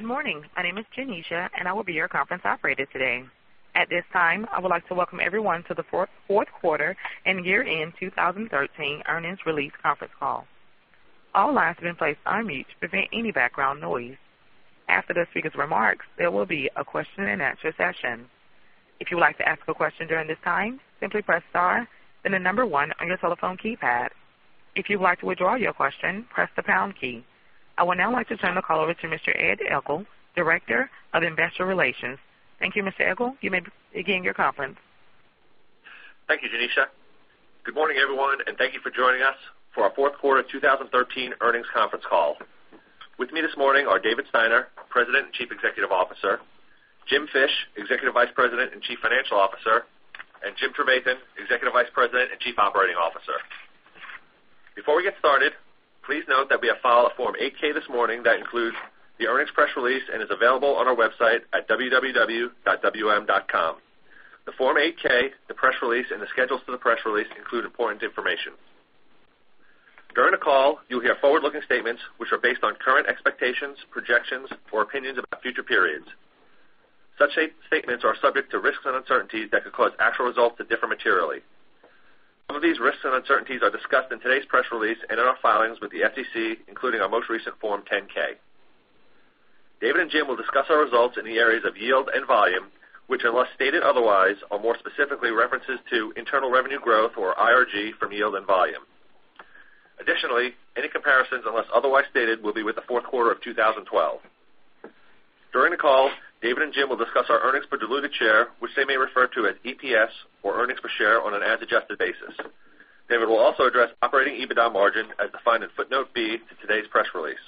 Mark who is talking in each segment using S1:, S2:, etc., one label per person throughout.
S1: Good morning. My name is Janisha, and I will be your conference operator today. At this time, I would like to welcome everyone to the fourth quarter and year-end 2013 earnings release conference call. All lines have been placed on mute to prevent any background noise. After the speakers' remarks, there will be a question-and-answer session. If you would like to ask a question during this time, simply press star, then the number one on your telephone keypad. If you'd like to withdraw your question, press the pound key. I would now like to turn the call over to Mr. Ed Egl, Director of Investor Relations. Thank you, Mr. Egl. You may begin your conference.
S2: Thank you, Janisha. Good morning, everyone, and thank you for joining us for our fourth quarter 2013 earnings conference call. With me this morning are David Steiner, President and Chief Executive Officer, Jim Fish, Executive Vice President and Chief Financial Officer, and Jim Trevathan, Executive Vice President and Chief Operating Officer. Before we get started, please note that we have filed a Form 8-K this morning that includes the earnings press release and is available on our website at www.wm.com. The Form 8-K, the press release, and the schedules for the press release include important information. During the call, you'll hear forward-looking statements which are based on current expectations, projections, or opinions about future periods. Such statements are subject to risks and uncertainties that could cause actual results to differ materially. Some of these risks and uncertainties are discussed in today's press release and in our filings with the SEC, including our most recent Form 10-K. David and Jim will discuss our results in the areas of yield and volume, which, unless stated otherwise, are more specifically references to internal revenue growth, or IRG, from yield and volume. Additionally, any comparisons, unless otherwise stated, will be with the fourth quarter of 2012. During the call, David and Jim will discuss our earnings per diluted share, which they may refer to as EPS or earnings per share on an as-adjusted basis. David will also address operating EBITDA margin as defined in Footnote B to today's press release.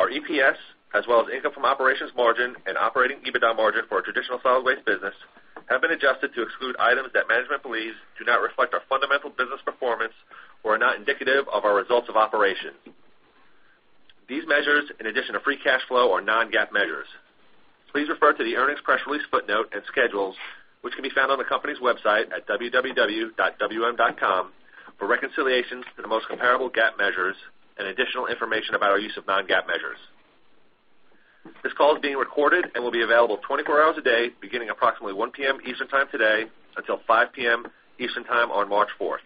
S2: Our EPS, as well as income from operations margin and operating EBITDA margin for our traditional solid waste business, have been adjusted to exclude items that management believes do not reflect our fundamental business performance or are not indicative of our results of operation. These measures, in addition to free cash flow, are non-GAAP measures. Please refer to the earnings press release footnote and schedules, which can be found on the company's website at www.wm.com for reconciliations to the most comparable GAAP measures and additional information about our use of non-GAAP measures. This call is being recorded and will be available 24 hours a day, beginning approximately 1:00 P.M. Eastern Time today until 5:00 P.M. Eastern Time on March 4th.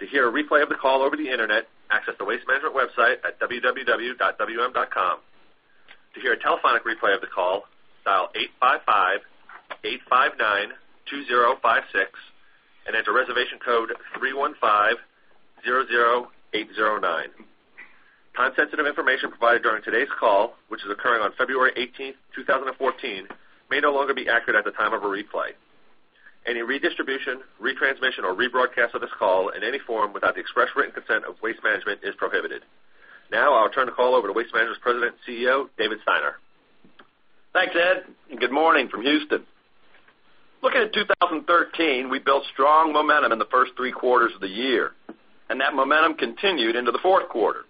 S2: To hear a replay of the call over the Internet, access the Waste Management website at www.wm.com. To hear a telephonic replay of the call, dial 855-859-2056 and enter reservation code 31500809. Time-sensitive information provided during today's call, which is occurring on February 18th, 2014, may no longer be accurate at the time of a replay. Any redistribution, retransmission, or rebroadcast of this call in any form without the express written consent of Waste Management is prohibited. I'll turn the call over to Waste Management's President and CEO, David Steiner.
S3: Thanks, Ed, and good morning from Houston. Looking at 2013, we built strong momentum in the first three quarters of the year, and that momentum continued into the fourth quarter,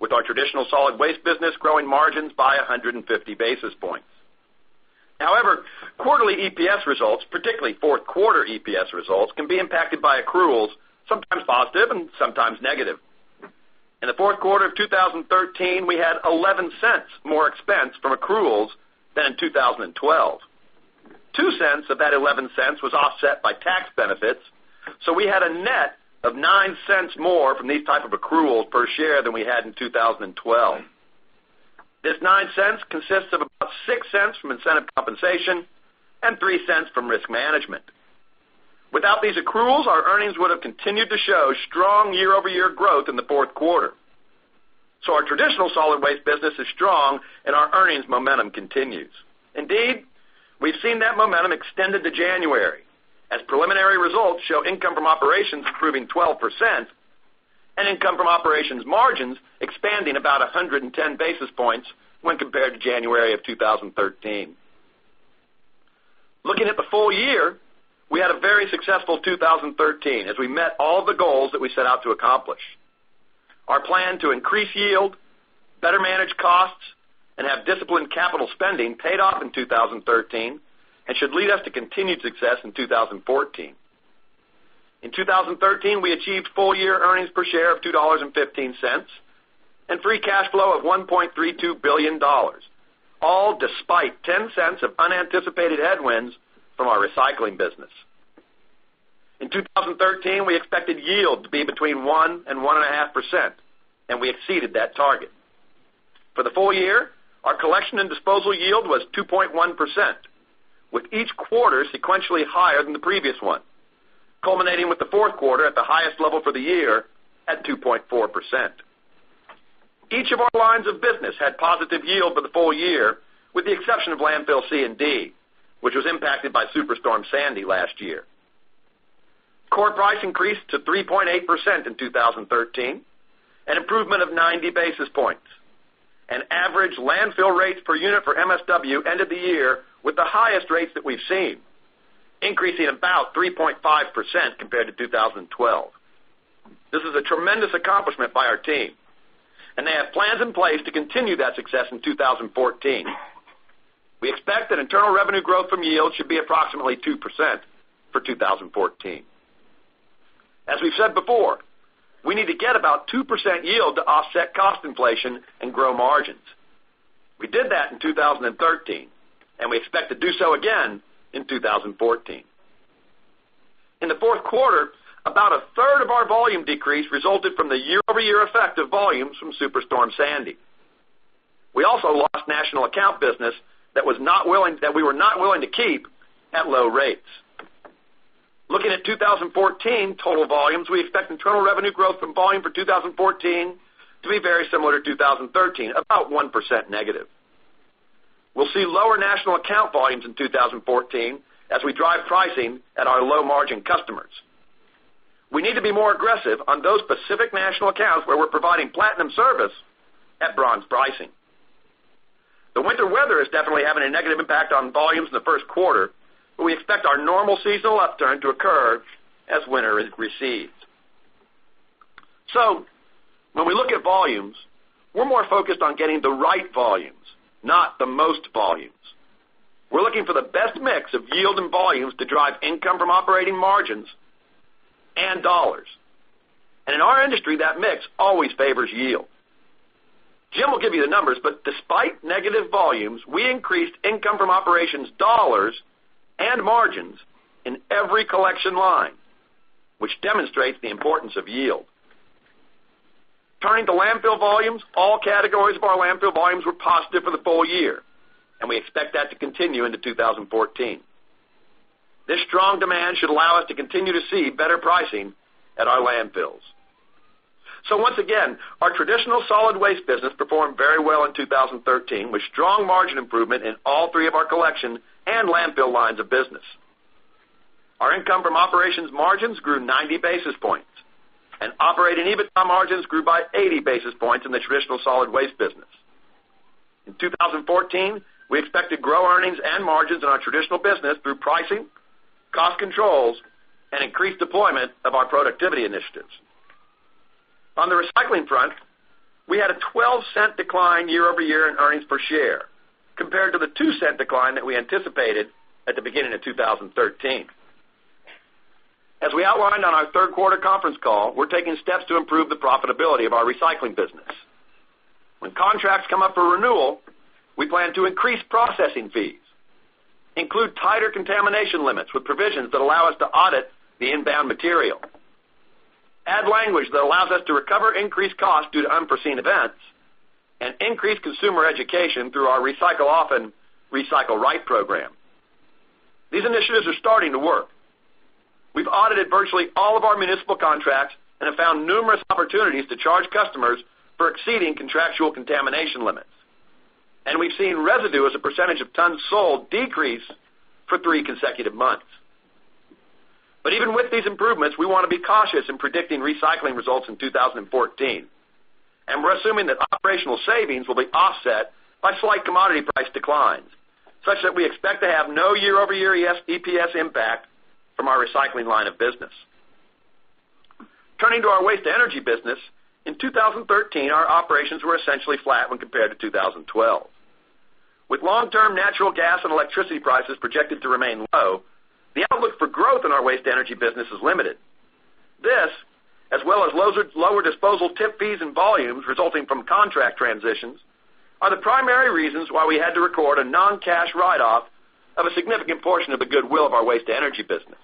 S3: with our traditional solid waste business growing margins by 150 basis points. However, quarterly EPS results, particularly fourth quarter EPS results, can be impacted by accruals, sometimes positive and sometimes negative. In the fourth quarter of 2013, we had $0.11 more expense from accruals than in 2012. $0.02 of that $0.11 was offset by tax benefits. We had a net of $0.09 more from these type of accruals per share than we had in 2012. This $0.09 consists of about $0.06 from incentive compensation and $0.03 from risk management. Without these accruals, our earnings would have continued to show strong year-over-year growth in the fourth quarter. Our traditional solid waste business is strong and our earnings momentum continues. Indeed, we've seen that momentum extended to January as preliminary results show income from operations improving 12% and income from operations margins expanding about 110 basis points when compared to January of 2013. Looking at the full year, we had a very successful 2013 as we met all the goals that we set out to accomplish. Our plan to increase yield, better manage costs, and have disciplined capital spending paid off in 2013 and should lead us to continued success in 2014. In 2013, we achieved full-year earnings per share of $2.15 and free cash flow of $1.32 billion, all despite $0.10 of unanticipated headwinds from our recycling business. In 2013, we expected yield to be between 1% and 1.5%, and we exceeded that target. For the full year, our collection and disposal yield was 2.1%, with each quarter sequentially higher than the previous one, culminating with the fourth quarter at the highest level for the year at 2.4%. Each of our lines of business had positive yield for the full year, with the exception of landfill C&D, which was impacted by Superstorm Sandy last year. Core price increased to 3.8% in 2013, an improvement of 90 basis points, and average landfill rates per unit for MSW ended the year with the highest rates that we've seen, increasing about 3.5% compared to 2012. This is a tremendous accomplishment by our team, and they have plans in place to continue that success in 2014. We expect that internal revenue growth from yield should be approximately 2% for 2014. As we've said before, we need to get about 2% yield to offset cost inflation and grow margins. We did that in 2013, and we expect to do so again in 2014. In the fourth quarter, about a third of our volume decrease resulted from the year-over-year effect of volumes from Superstorm Sandy. We also lost national account business that we were not willing to keep at low rates. Looking at 2014 total volumes, we expect internal revenue growth from volume for 2014 to be very similar to 2013, about 1% negative. We'll see lower national account volumes in 2014 as we drive pricing at our low-margin customers. We need to be more aggressive on those specific national accounts where we're providing platinum service at bronze pricing. The winter weather is definitely having a negative impact on volumes in the first quarter, we expect our normal seasonal upturn to occur as winter recedes. When we look at volumes, we're more focused on getting the right volumes, not the most volumes. We're looking for the best mix of yield and volumes to drive income from operating margins and dollars. In our industry, that mix always favors yield. Jim will give you the numbers, despite negative volumes, we increased income from operations dollars and margins in every collection line, which demonstrates the importance of yield. Turning to landfill volumes, all categories of our landfill volumes were positive for the full year, and we expect that to continue into 2014. This strong demand should allow us to continue to see better pricing at our landfills. Once again, our traditional solid waste business performed very well in 2013, with strong margin improvement in all three of our collection and landfill lines of business. Our income from operations margins grew 90 basis points, and operating EBITDA margins grew by 80 basis points in the traditional solid waste business. In 2014, we expect to grow earnings and margins in our traditional business through pricing, cost controls, and increased deployment of our productivity initiatives. On the recycling front, we had a $0.12 decline year-over-year in earnings per share compared to the $0.02 decline that we anticipated at the beginning of 2013. As we outlined on our third quarter conference call, we're taking steps to improve the profitability of our recycling business. When contracts come up for renewal, we plan to increase processing fees, include tighter contamination limits with provisions that allow us to audit the inbound material, add language that allows us to recover increased costs due to unforeseen events, and increase consumer education through our Recycle Often. Recycle Right. program. These initiatives are starting to work. We've audited virtually all of our municipal contracts and have found numerous opportunities to charge customers for exceeding contractual contamination limits. We've seen residue as a percentage of tons sold decrease for three consecutive months. Even with these improvements, we want to be cautious in predicting recycling results in 2014, and we're assuming that operational savings will be offset by slight commodity price declines, such that we expect to have no year-over-year EPS impact from our recycling line of business. Turning to our waste-to-energy business, in 2013, our operations were essentially flat when compared to 2012. With long-term natural gas and electricity prices projected to remain low, the outlook for growth in our waste-to-energy business is limited. This, as well as lower disposal tip fees and volumes resulting from contract transitions, are the primary reasons why we had to record a non-cash write-off of a significant portion of the goodwill of our waste-to-energy business.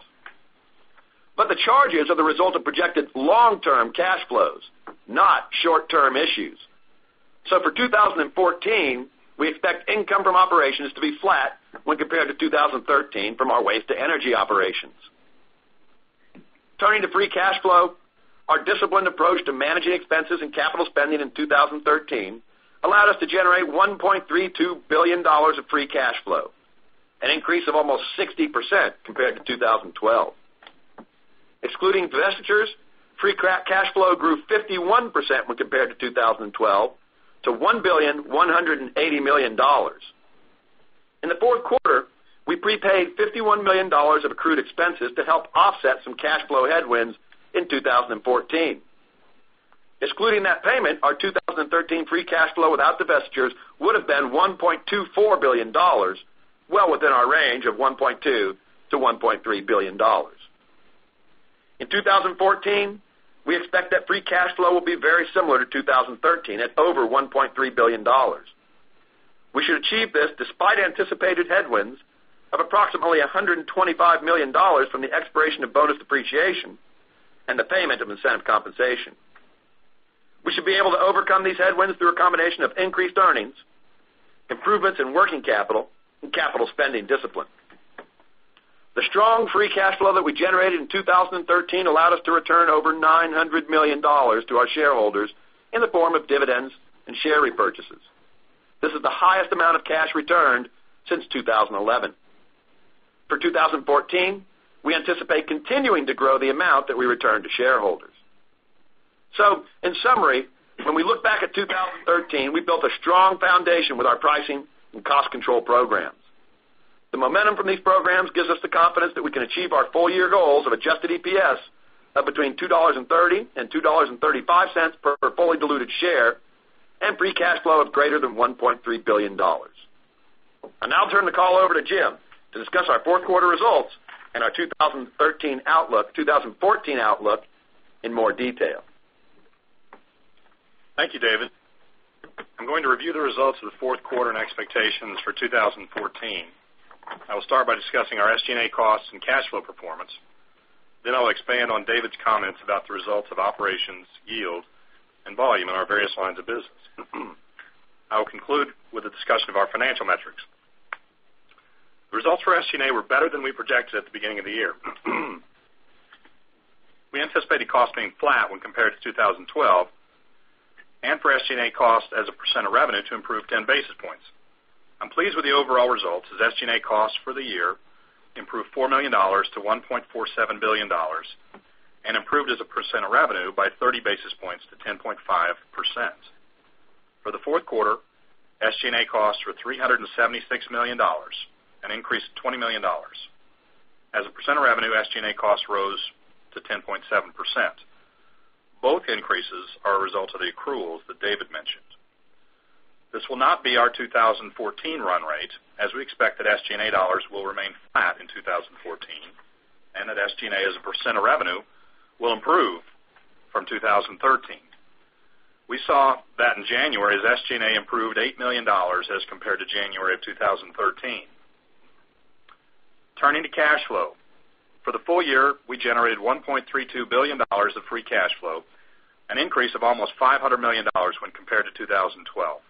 S3: The charges are the result of projected long-term cash flows, not short-term issues. For 2014, we expect income from operations to be flat when compared to 2013 from our waste-to-energy operations. Turning to free cash flow, our disciplined approach to managing expenses and capital spending in 2013 allowed us to generate $1.32 billion of free cash flow, an increase of almost 60% compared to 2012. Excluding divestitures, free cash flow grew 51% when compared to 2012 to $1.18 billion. In the fourth quarter, we prepaid $51 million of accrued expenses to help offset some cash flow headwinds in 2014. Excluding that payment, our 2013 free cash flow without divestitures would have been $1.24 billion, well within our range of $1.2 billion-$1.3 billion. In 2014, we expect that free cash flow will be very similar to 2013 at over $1.3 billion. We should achieve this despite anticipated headwinds of approximately $125 million from the expiration of bonus depreciation and the payment of incentive compensation. We should be able to overcome these headwinds through a combination of increased earnings, improvements in working capital, and capital spending discipline. The strong free cash flow that we generated in 2013 allowed us to return over $900 million to our shareholders in the form of dividends and share repurchases. This is the highest amount of cash returned since 2011. For 2014, we anticipate continuing to grow the amount that we return to shareholders. In summary, when we look back at 2013, we built a strong foundation with our pricing and cost control programs. The momentum from these programs gives us the confidence that we can achieve our full year goals of adjusted EPS of between $2.30-$2.35 per fully diluted share and free cash flow of greater than $1.3 billion. I'll now turn the call over to Jim to discuss our fourth quarter results and our 2014 outlook in more detail.
S4: Thank you, David. I'm going to review the results of the fourth quarter and expectations for 2014. I will start by discussing our SG&A costs and cash flow performance. I'll expand on David's comments about the results of operations yield and volume in our various lines of business. I will conclude with a discussion of our financial metrics. The results for SG&A were better than we projected at the beginning of the year. We anticipated costs being flat when compared to 2012, and for SG&A cost as a percent of revenue to improve 10 basis points. I'm pleased with the overall results as SG&A costs for the year improved $4 million to $1.47 billion, and improved as a percent of revenue by 30 basis points to 10.5%. For the fourth quarter, SG&A costs were $376 million, an increase of $20 million. As a percent of revenue, SG&A costs rose to 10.7%. Both increases are a result of the accruals that David mentioned. This will not be our 2014 run rate, as we expect that SG&A dollars will remain flat in 2014, and that SG&A as a percent of revenue will improve from 2013. We saw that in January as SG&A improved $8 million as compared to January of 2013. Turning to cash flow. For the full year, we generated $1.32 billion of free cash flow, an increase of almost $500 million when compared to 2012.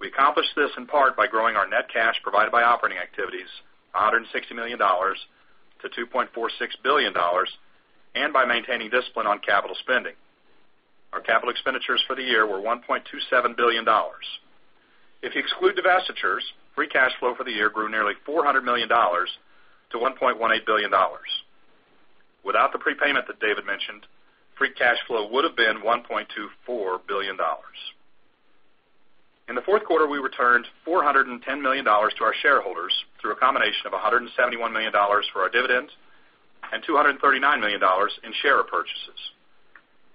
S4: We accomplished this in part by growing our net cash provided by operating activities, $160 million to $2.46 billion, and by maintaining discipline on capital spending. Our capital expenditures for the year were $1.27 billion. If you exclude divestitures, free cash flow for the year grew nearly $400 million to $1.18 billion. Without the prepayment that David mentioned, free cash flow would've been $1.24 billion. In the fourth quarter, we returned $410 million to our shareholders through a combination of $171 million for our dividends and $239 million in share purchases.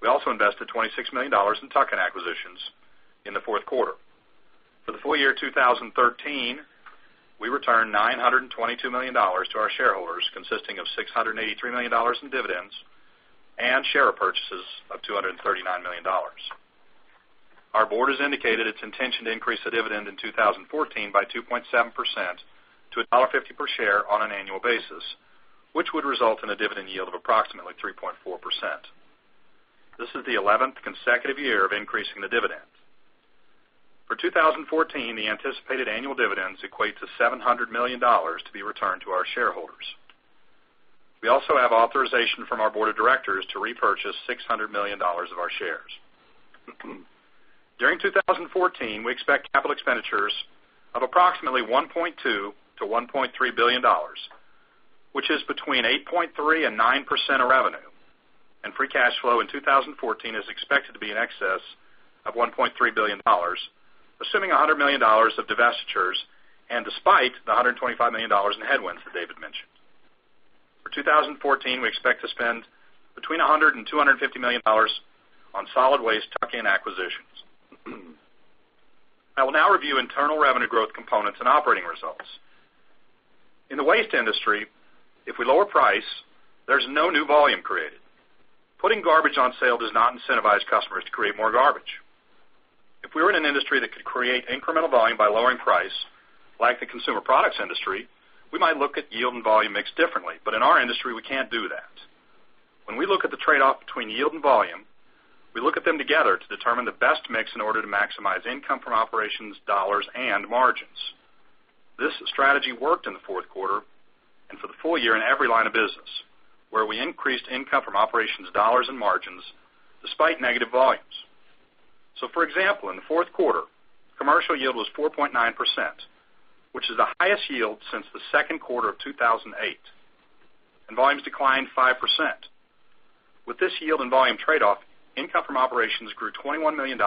S4: We also invested $26 million in tuck-in acquisitions in the fourth quarter. For the full year 2013, we returned $922 million to our shareholders, consisting of $683 million in dividends and share purchases of $239 million. Our board has indicated its intention to increase the dividend in 2014 by 2.7% to $1.50 per share on an annual basis, which would result in a dividend yield of approximately 3.4%. This is the 11th consecutive year of increasing the dividend. For 2014, the anticipated annual dividends equate to $700 million to be returned to our shareholders. We also have authorization from our board of directors to repurchase $600 million of our shares. During 2014, we expect capital expenditures of approximately $1.2 billion-$1.3 billion, which is between 8.3%-9% of revenue, and free cash flow in 2014 is expected to be in excess of $1.3 billion, assuming $100 million of divestitures, and despite the $125 million in headwinds that David mentioned. For 2014, we expect to spend between $100 million and $250 million on solid waste tuck-in acquisitions. I will now review internal revenue growth components and operating results. In the waste industry, if we lower price, there's no new volume created. Putting garbage on sale does not incentivize customers to create more garbage. If we were in an industry that could create incremental volume by lowering price, like the consumer products industry, we might look at yield and volume mix differently. In our industry, we can't do that. When we look at the trade-off between yield and volume, we look at them together to determine the best mix in order to maximize income from operations dollars and margins. This strategy worked in the fourth quarter and for the full year in every line of business, where we increased income from operations dollars and margins despite negative volumes. For example, in the fourth quarter, commercial yield was 4.9%, which is the highest yield since the second quarter of 2008, and volumes declined 5%. With this yield and volume trade-off, income from operations grew $21 million,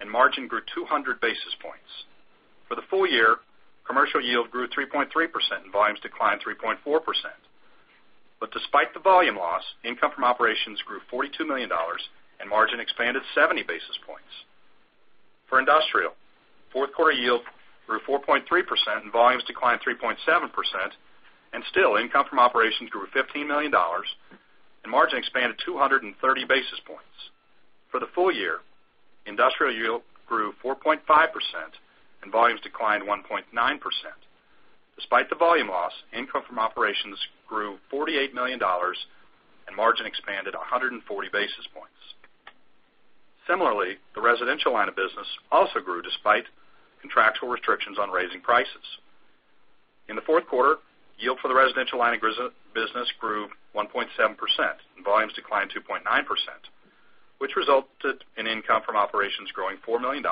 S4: and margin grew 200 basis points. For the full year, commercial yield grew 3.3%, and volumes declined 3.4%. Despite the volume loss, income from operations grew $42 million, and margin expanded 70 basis points. For industrial, fourth quarter yield grew 4.3%, volumes declined 3.7%, income from operations grew $15 million, and margin expanded 230 basis points. For the full year, industrial yield grew 4.5%, and volumes declined 1.9%. Despite the volume loss, income from operations grew $48 million, and margin expanded 140 basis points. Similarly, the residential line of business also grew despite contractual restrictions on raising prices. In the fourth quarter, yield for the residential line of business grew 1.7%, and volumes declined 2.9%, which resulted in income from operations growing $4 million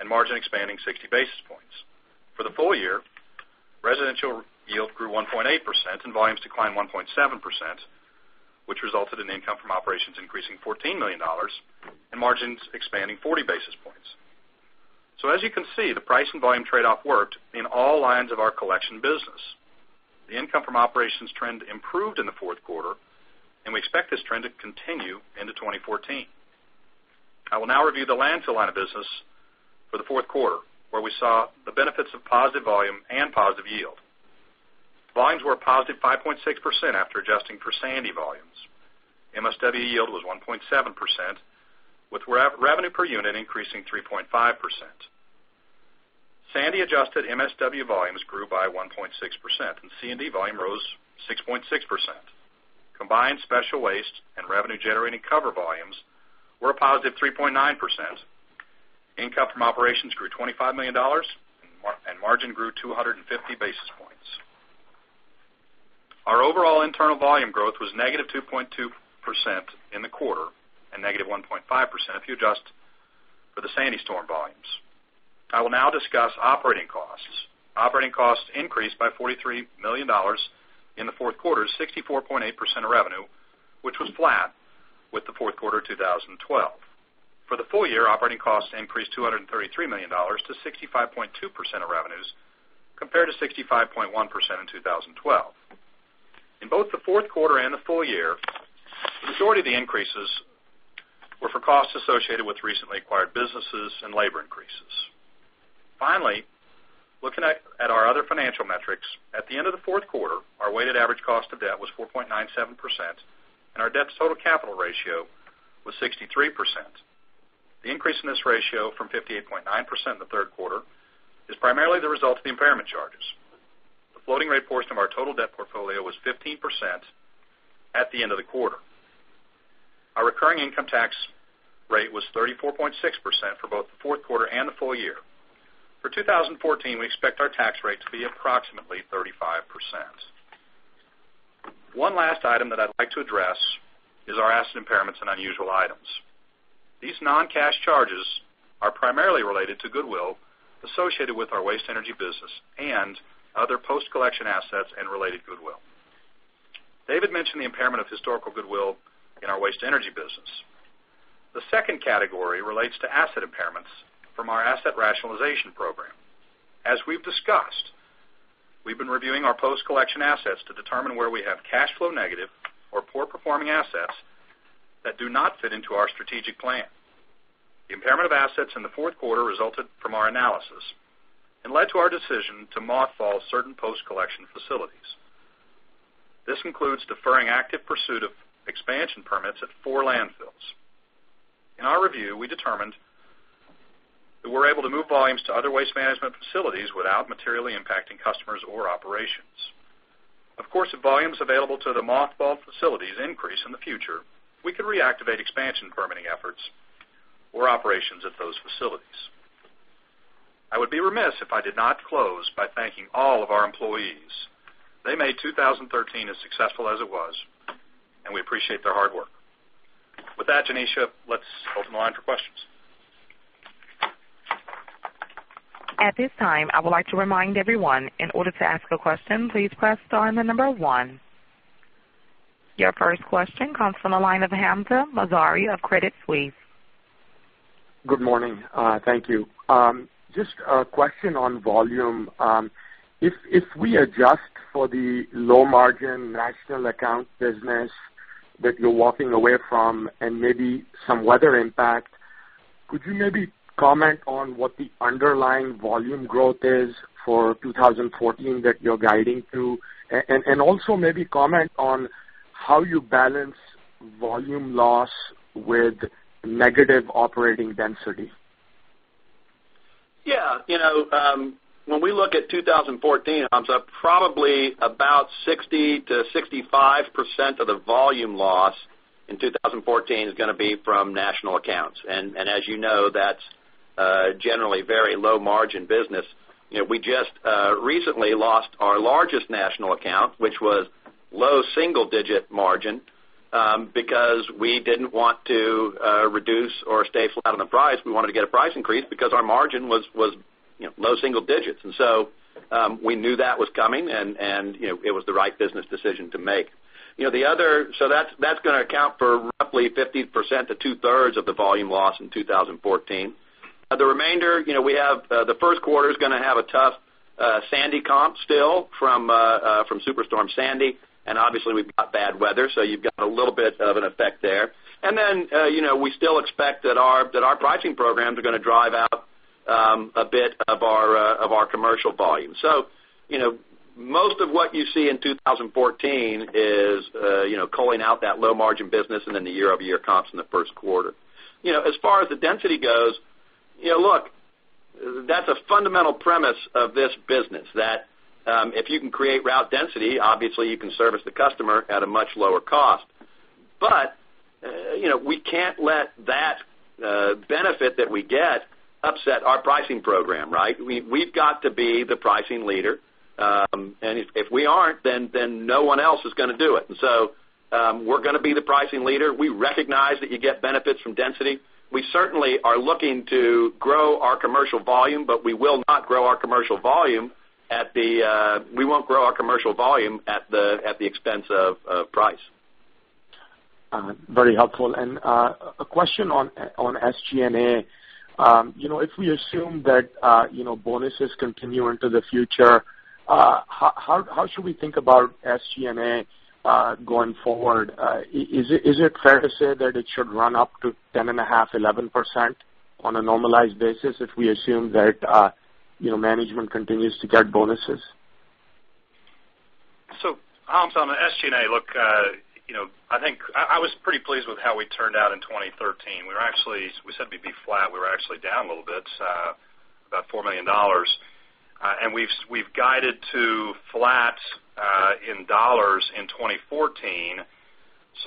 S4: and margin expanding 60 basis points. For the full year, residential yield grew 1.8% and volumes declined 1.7%, which resulted in income from operations increasing $14 million and margins expanding 40 basis points. As you can see, the price and volume trade-off worked in all lines of our collection business. The income from operations trend improved in the fourth quarter, and we expect this trend to continue into 2014. I will now review the landfill line of business for the fourth quarter, where we saw the benefits of positive volume and positive yield. Volumes were a positive 5.6% after adjusting for Sandy volumes. MSW yield was 1.7%, with revenue per unit increasing 3.5%. Sandy-adjusted MSW volumes grew by 1.6%, and C&D volume rose 6.6%. Combined special waste and revenue-generating cover volumes were a positive 3.9%. Income from operations grew $25 million, and margin grew 250 basis points. Our overall internal volume growth was negative 2.2% in the quarter, and negative 1.5% if you adjust for the Sandy storm volumes. I will now discuss operating costs. Operating costs increased by $43 million in the fourth quarter, 64.8% of revenue, which was flat with the fourth quarter 2012. For the full year, operating costs increased $233 million to 65.2% of revenues, compared to 65.1% in 2012. In both the fourth quarter and the full year, the majority of the increases were for costs associated with recently acquired businesses and labor increases. Finally, looking at our other financial metrics, at the end of the fourth quarter, our weighted average cost of debt was 4.97%, and our debt-to-total capital ratio was 63%. The increase in this ratio from 58.9% in the third quarter is primarily the result of the impairment charges. The floating rate portion of our total debt portfolio was 15% at the end of the quarter. Our recurring income tax rate was 34.6% for both the fourth quarter and the full year. For 2014, we expect our tax rate to be approximately 35%. One last item that I'd like to address is our asset impairments and unusual items. These non-cash charges are primarily related to goodwill associated with our waste-to-energy business and other post-collection assets and related goodwill. David mentioned the impairment of historical goodwill in our waste-to-energy business. The second category relates to asset impairments from our asset rationalization program. As we've discussed, we've been reviewing our post-collection assets to determine where we have cash flow negative or poor-performing assets that do not fit into our strategic plan. The impairment of assets in the fourth quarter resulted from our analysis and led to our decision to mothball certain post-collection facilities. This includes deferring active pursuit of expansion permits at four landfills. In our review, we determined that we're able to move volumes to other Waste Management facilities without materially impacting customers or operations. Of course, if volumes available to the mothballed facilities increase in the future, we could reactivate expansion permitting efforts or operations at those facilities. I would be remiss if I did not close by thanking all of our employees. They made 2013 as successful as it was, and we appreciate their hard work. With that, Janisha, let's open the line for questions.
S1: At this time, I would like to remind everyone, in order to ask a question, please press star and the number 1. Your first question comes from the line of Hamzah Mazari of Credit Suisse.
S5: Good morning. Thank you. Just a question on volume. If we adjust for the low-margin national account business that you're walking away from and maybe some weather impact, could you maybe comment on what the underlying volume growth is for 2014 that you're guiding to? Also maybe comment on how you balance volume loss with negative operating density.
S4: Yeah. When we look at 2014, Hamzah, probably about 60%-65% of the volume loss in 2014 is going to be from national accounts. As you know, that's generally very low-margin business. We just recently lost our largest national account, which was low single-digit margin, because we didn't want to reduce or stay flat on the price. We wanted to get a price increase because our margin was low single digits. So we knew that was coming, and it was the right business decision to make. So that's going to account for roughly 50% to two-thirds of the volume loss in 2014. The remainder, the first quarter is going to have a tough Sandy comp still from Superstorm Sandy, obviously we've got bad weather, so you've got a little bit of an effect there. We still expect that our pricing programs are going to drive out a bit of our commercial volume. Most of what you see in 2014 is culling out that low-margin business and then the year-over-year comps in the first quarter. As far as the density goes, look, that's a fundamental premise of this business, that if you can create route density, obviously you can service the customer at a much lower cost. We can't let that benefit that we get upset our pricing program, right? We've got to be the pricing leader, and if we aren't, then no one else is going to do it. We're going to be the pricing leader. We recognize that you get benefits from density. We certainly are looking to grow our commercial volume, but we will not grow our commercial volume at the expense of price.
S5: Very helpful. A question on SG&A. If we assume that bonuses continue into the future, how should we think about SG&A going forward? Is it fair to say that it should run up to 10.5%-11% on a normalized basis if we assume that Management continues to get bonuses?
S4: Hamzah, on the SG&A, look, I was pretty pleased with how we turned out in 2013. We said we'd be flat. We were actually down a little bit, about $4 million. We've guided to flat in dollars in 2014.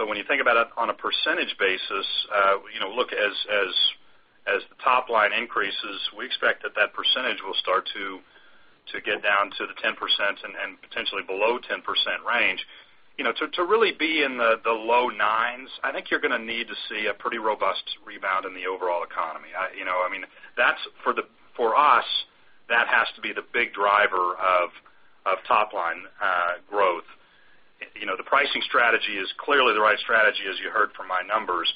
S4: When you think about it on a percentage basis, look, as the top line increases, we expect that that percentage will start to get down to the 10% and potentially below 10% range. To really be in the low nines, I think you're going to need to see a pretty robust rebound in the overall economy. For us, that has to be the big driver of top line growth. The pricing strategy is clearly the right strategy, as you heard from my numbers.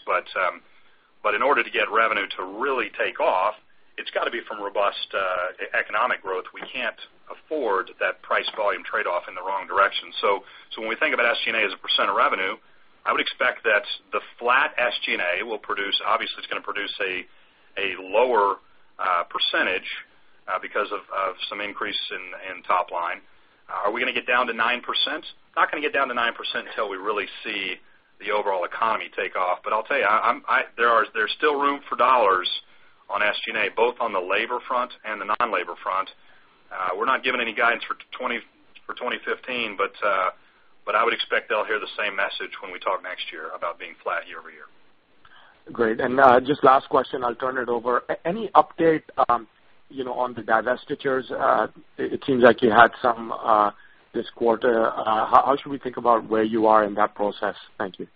S4: In order to get revenue to really take off, it's got to be from robust economic growth. We can't afford that price-volume trade-off in the wrong direction. When we think about SG&A as a percent of revenue, I would expect that the flat SG&A will produce, obviously, it's going to produce a lower percentage because of some increase in top line. Are we going to get down to 9%? Not going to get down to 9% until we really see the overall economy take off. I'll tell you, there's still room for dollars on SG&A, both on the labor front and the non-labor front. We're not giving any guidance for 2015, but I would expect they'll hear the same message when we talk next year about being flat year-over-year.
S5: Great. Just last question, I'll turn it over. Any update on the divestitures? It seems like you had some this quarter. How should we think about where you are in that process? Thank you.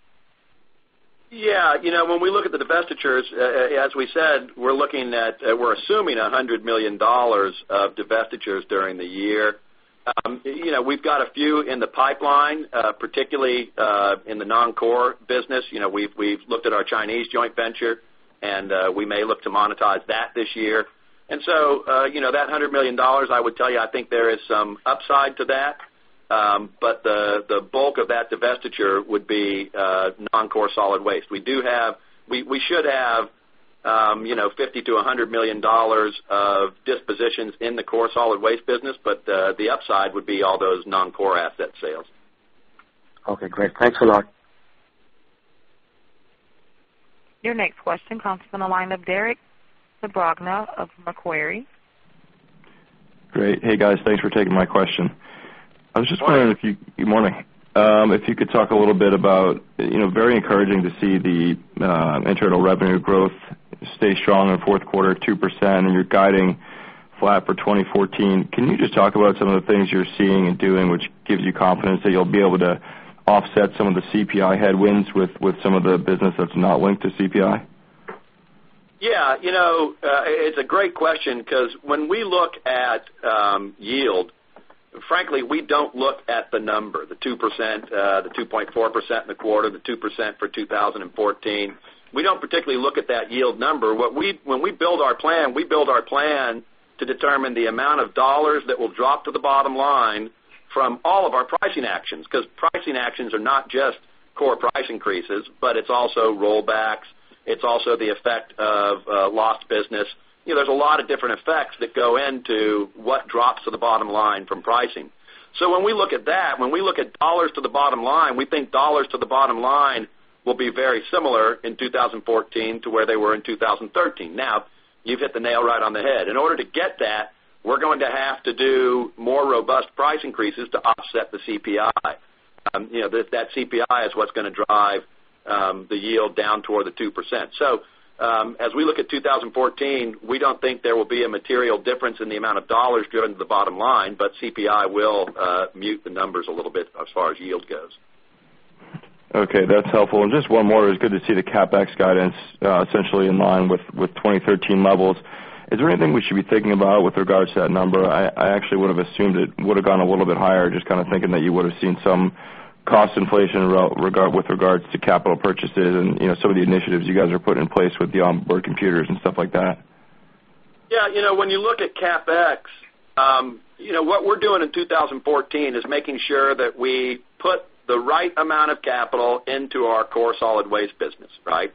S4: Yeah. When we look at the divestitures, as we said, we're assuming $100 million of divestitures during the year. We've got a few in the pipeline, particularly in the non-core business. We've looked at our Chinese joint venture, we may look to monetize that this year. So that $100 million, I would tell you, I think there is some upside to that. The bulk of that divestiture would be non-core solid waste. We should have $50 million-$100 million of dispositions in the core solid waste business, the upside would be all those non-core asset sales.
S5: Okay, great. Thanks a lot.
S1: Your next question comes from the line of Derek Abracano of Macquarie.
S6: Great. Hey, guys. Thanks for taking my question.
S4: Morning.
S6: Good morning. If you could talk a little bit about, very encouraging to see the internal revenue growth stay strong in the fourth quarter, 2%, and you're guiding flat for 2014. Can you just talk about some of the things you're seeing and doing which gives you confidence that you'll be able to offset some of the CPI headwinds with some of the business that's not linked to CPI?
S4: Yeah. It's a great question because when we look at yield, frankly, we don't look at the number, the 2%, the 2.4% in the quarter, the 2% for 2014. We don't particularly look at that yield number. When we build our plan, we build our plan to determine the amount of dollars that will drop to the bottom line from all of our pricing actions, because pricing actions are not just core price increases, but it's also rollbacks. It's also the effect of lost business. There's a lot of different effects that go into what drops to the bottom line from pricing. When we look at that, when we look at dollars to the bottom line, we think dollars to the bottom line will be very similar in 2014 to where they were in 2013. Now, you've hit the nail right on the head. In order to get that, we're going to have to do more robust price increases to offset the CPI. That CPI is what's going to drive the yield down toward the 2%. As we look at 2014, we don't think there will be a material difference in the amount of dollars going to the bottom line, but CPI will mute the numbers a little bit as far as yield goes.
S6: Okay, that's helpful. Just one more. It's good to see the CapEx guidance essentially in line with 2013 levels. Is there anything we should be thinking about with regards to that number? I actually would have assumed it would have gone a little bit higher, just kind of thinking that you would have seen some cost inflation with regards to capital purchases and some of the initiatives you guys are putting in place with the onboard computers and stuff like that.
S4: Yeah. When you look at CapEx, what we're doing in 2014 is making sure that we put the right amount of capital into our core solid waste business, right?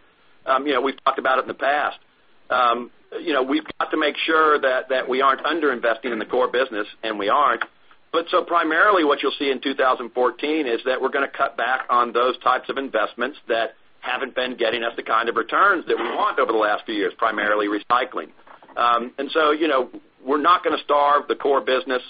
S4: We've talked about it in the past. We've got to make sure that we aren't under-investing in the core business, and we aren't. Primarily what you'll see in 2014 is that we're going to cut back on those types of investments that haven't been getting us the kind of returns that we want over the last few years, primarily recycling. We're not going to starve the core business.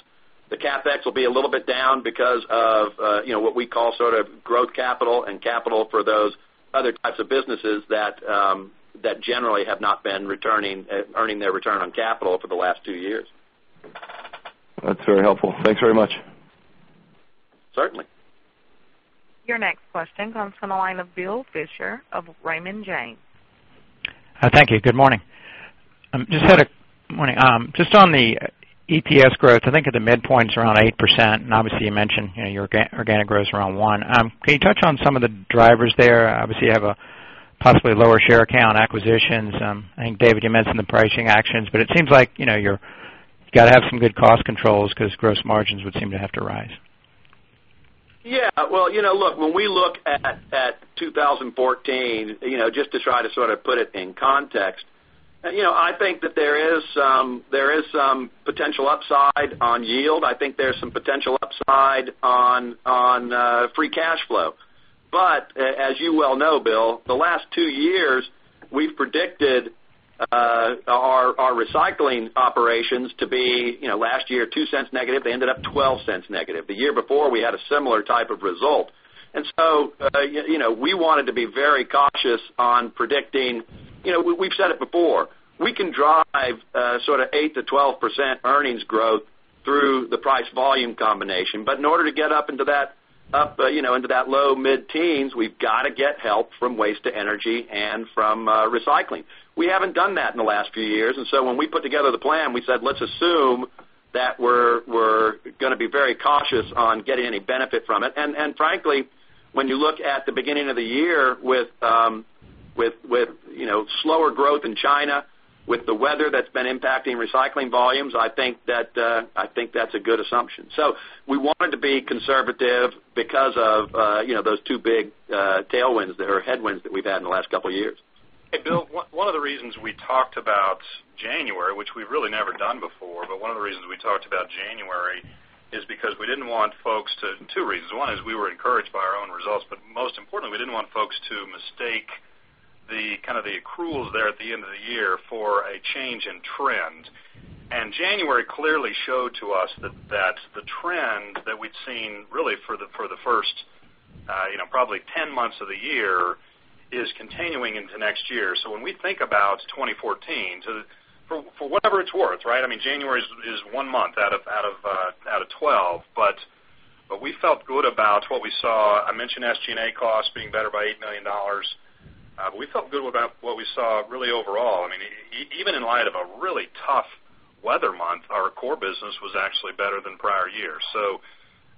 S4: The CapEx will be a little bit down because of what we call sort of growth capital and capital for those other types of businesses that generally have not been earning their return on capital for the last two years.
S6: That's very helpful. Thanks very much.
S4: Certainly.
S1: Your next question comes from the line of Bill Fisher of Raymond James.
S7: Thank you. Good morning.
S4: Morning.
S7: Just on the EPS growth, I think at the midpoint is around 8%, and obviously you mentioned your organic growth is around one. Can you touch on some of the drivers there? Obviously, you have a possibly lower share count acquisitions. I think David, you mentioned the pricing actions, it seems like you've got to have some good cost controls because gross margins would seem to have to rise.
S3: Yeah. Well, look, when we look at 2014, just to try to sort of put it in context, I think that there is some potential upside on yield. I think there's some potential upside on free cash flow. As you well know, Bill, the last two years, we've predicted our recycling operations to be last year $0.02 negative, they ended up $0.12 negative. The year before we had a similar type of result. We wanted to be very cautious on predicting. We've said it before, we can drive sort of 8%-12% earnings growth through the price volume combination. In order to get up into that low mid-teens, we've got to get help from waste to energy and from recycling. We haven't done that in the last few years, when we put together the plan, we said let's assume that we're going to be very cautious on getting any benefit from it. Frankly, when you look at the beginning of the year with slower growth in China, with the weather that's been impacting recycling volumes, I think that's a good assumption. We wanted to be conservative because of those two big headwinds that we've had in the last couple of years.
S4: Hey, Bill, one of the reasons we talked about January, which we've really never done before, but one of the reasons we talked about January is because we didn't want folks to mistake the accruals there at the end of the year for a change in trend. January clearly showed to us that the trend that we'd seen really for the first probably 10 months of the year is continuing into next year. When we think about 2014, for whatever it's worth, right? January is one month out of 12, but we felt good about what we saw. I mentioned SG&A costs being better by $8 million. We felt good about what we saw really overall. Even in light of a really tough weather month, our core business was actually better than prior years.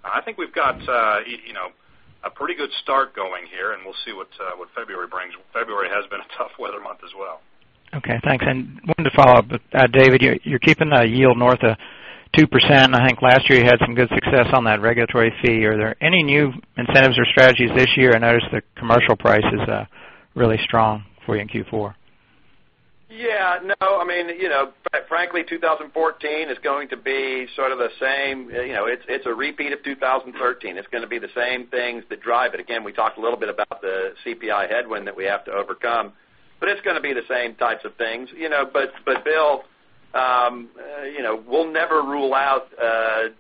S4: I think we've got a pretty good start going here, we'll see what February brings. February has been a tough weather month as well.
S7: Okay, thanks. Wanted to follow up with David, you're keeping the yield north of 2%. I think last year you had some good success on that regulatory fee. Are there any new incentives or strategies this year? I noticed the commercial price is really strong for you in Q4.
S3: Yeah. No, frankly, 2014 is going to be sort of the same. It's a repeat of 2013. It's going to be the same things that drive it. Again, we talked a little bit about the CPI headwind that we have to overcome, it's going to be the same types of things. Bill, we'll never rule out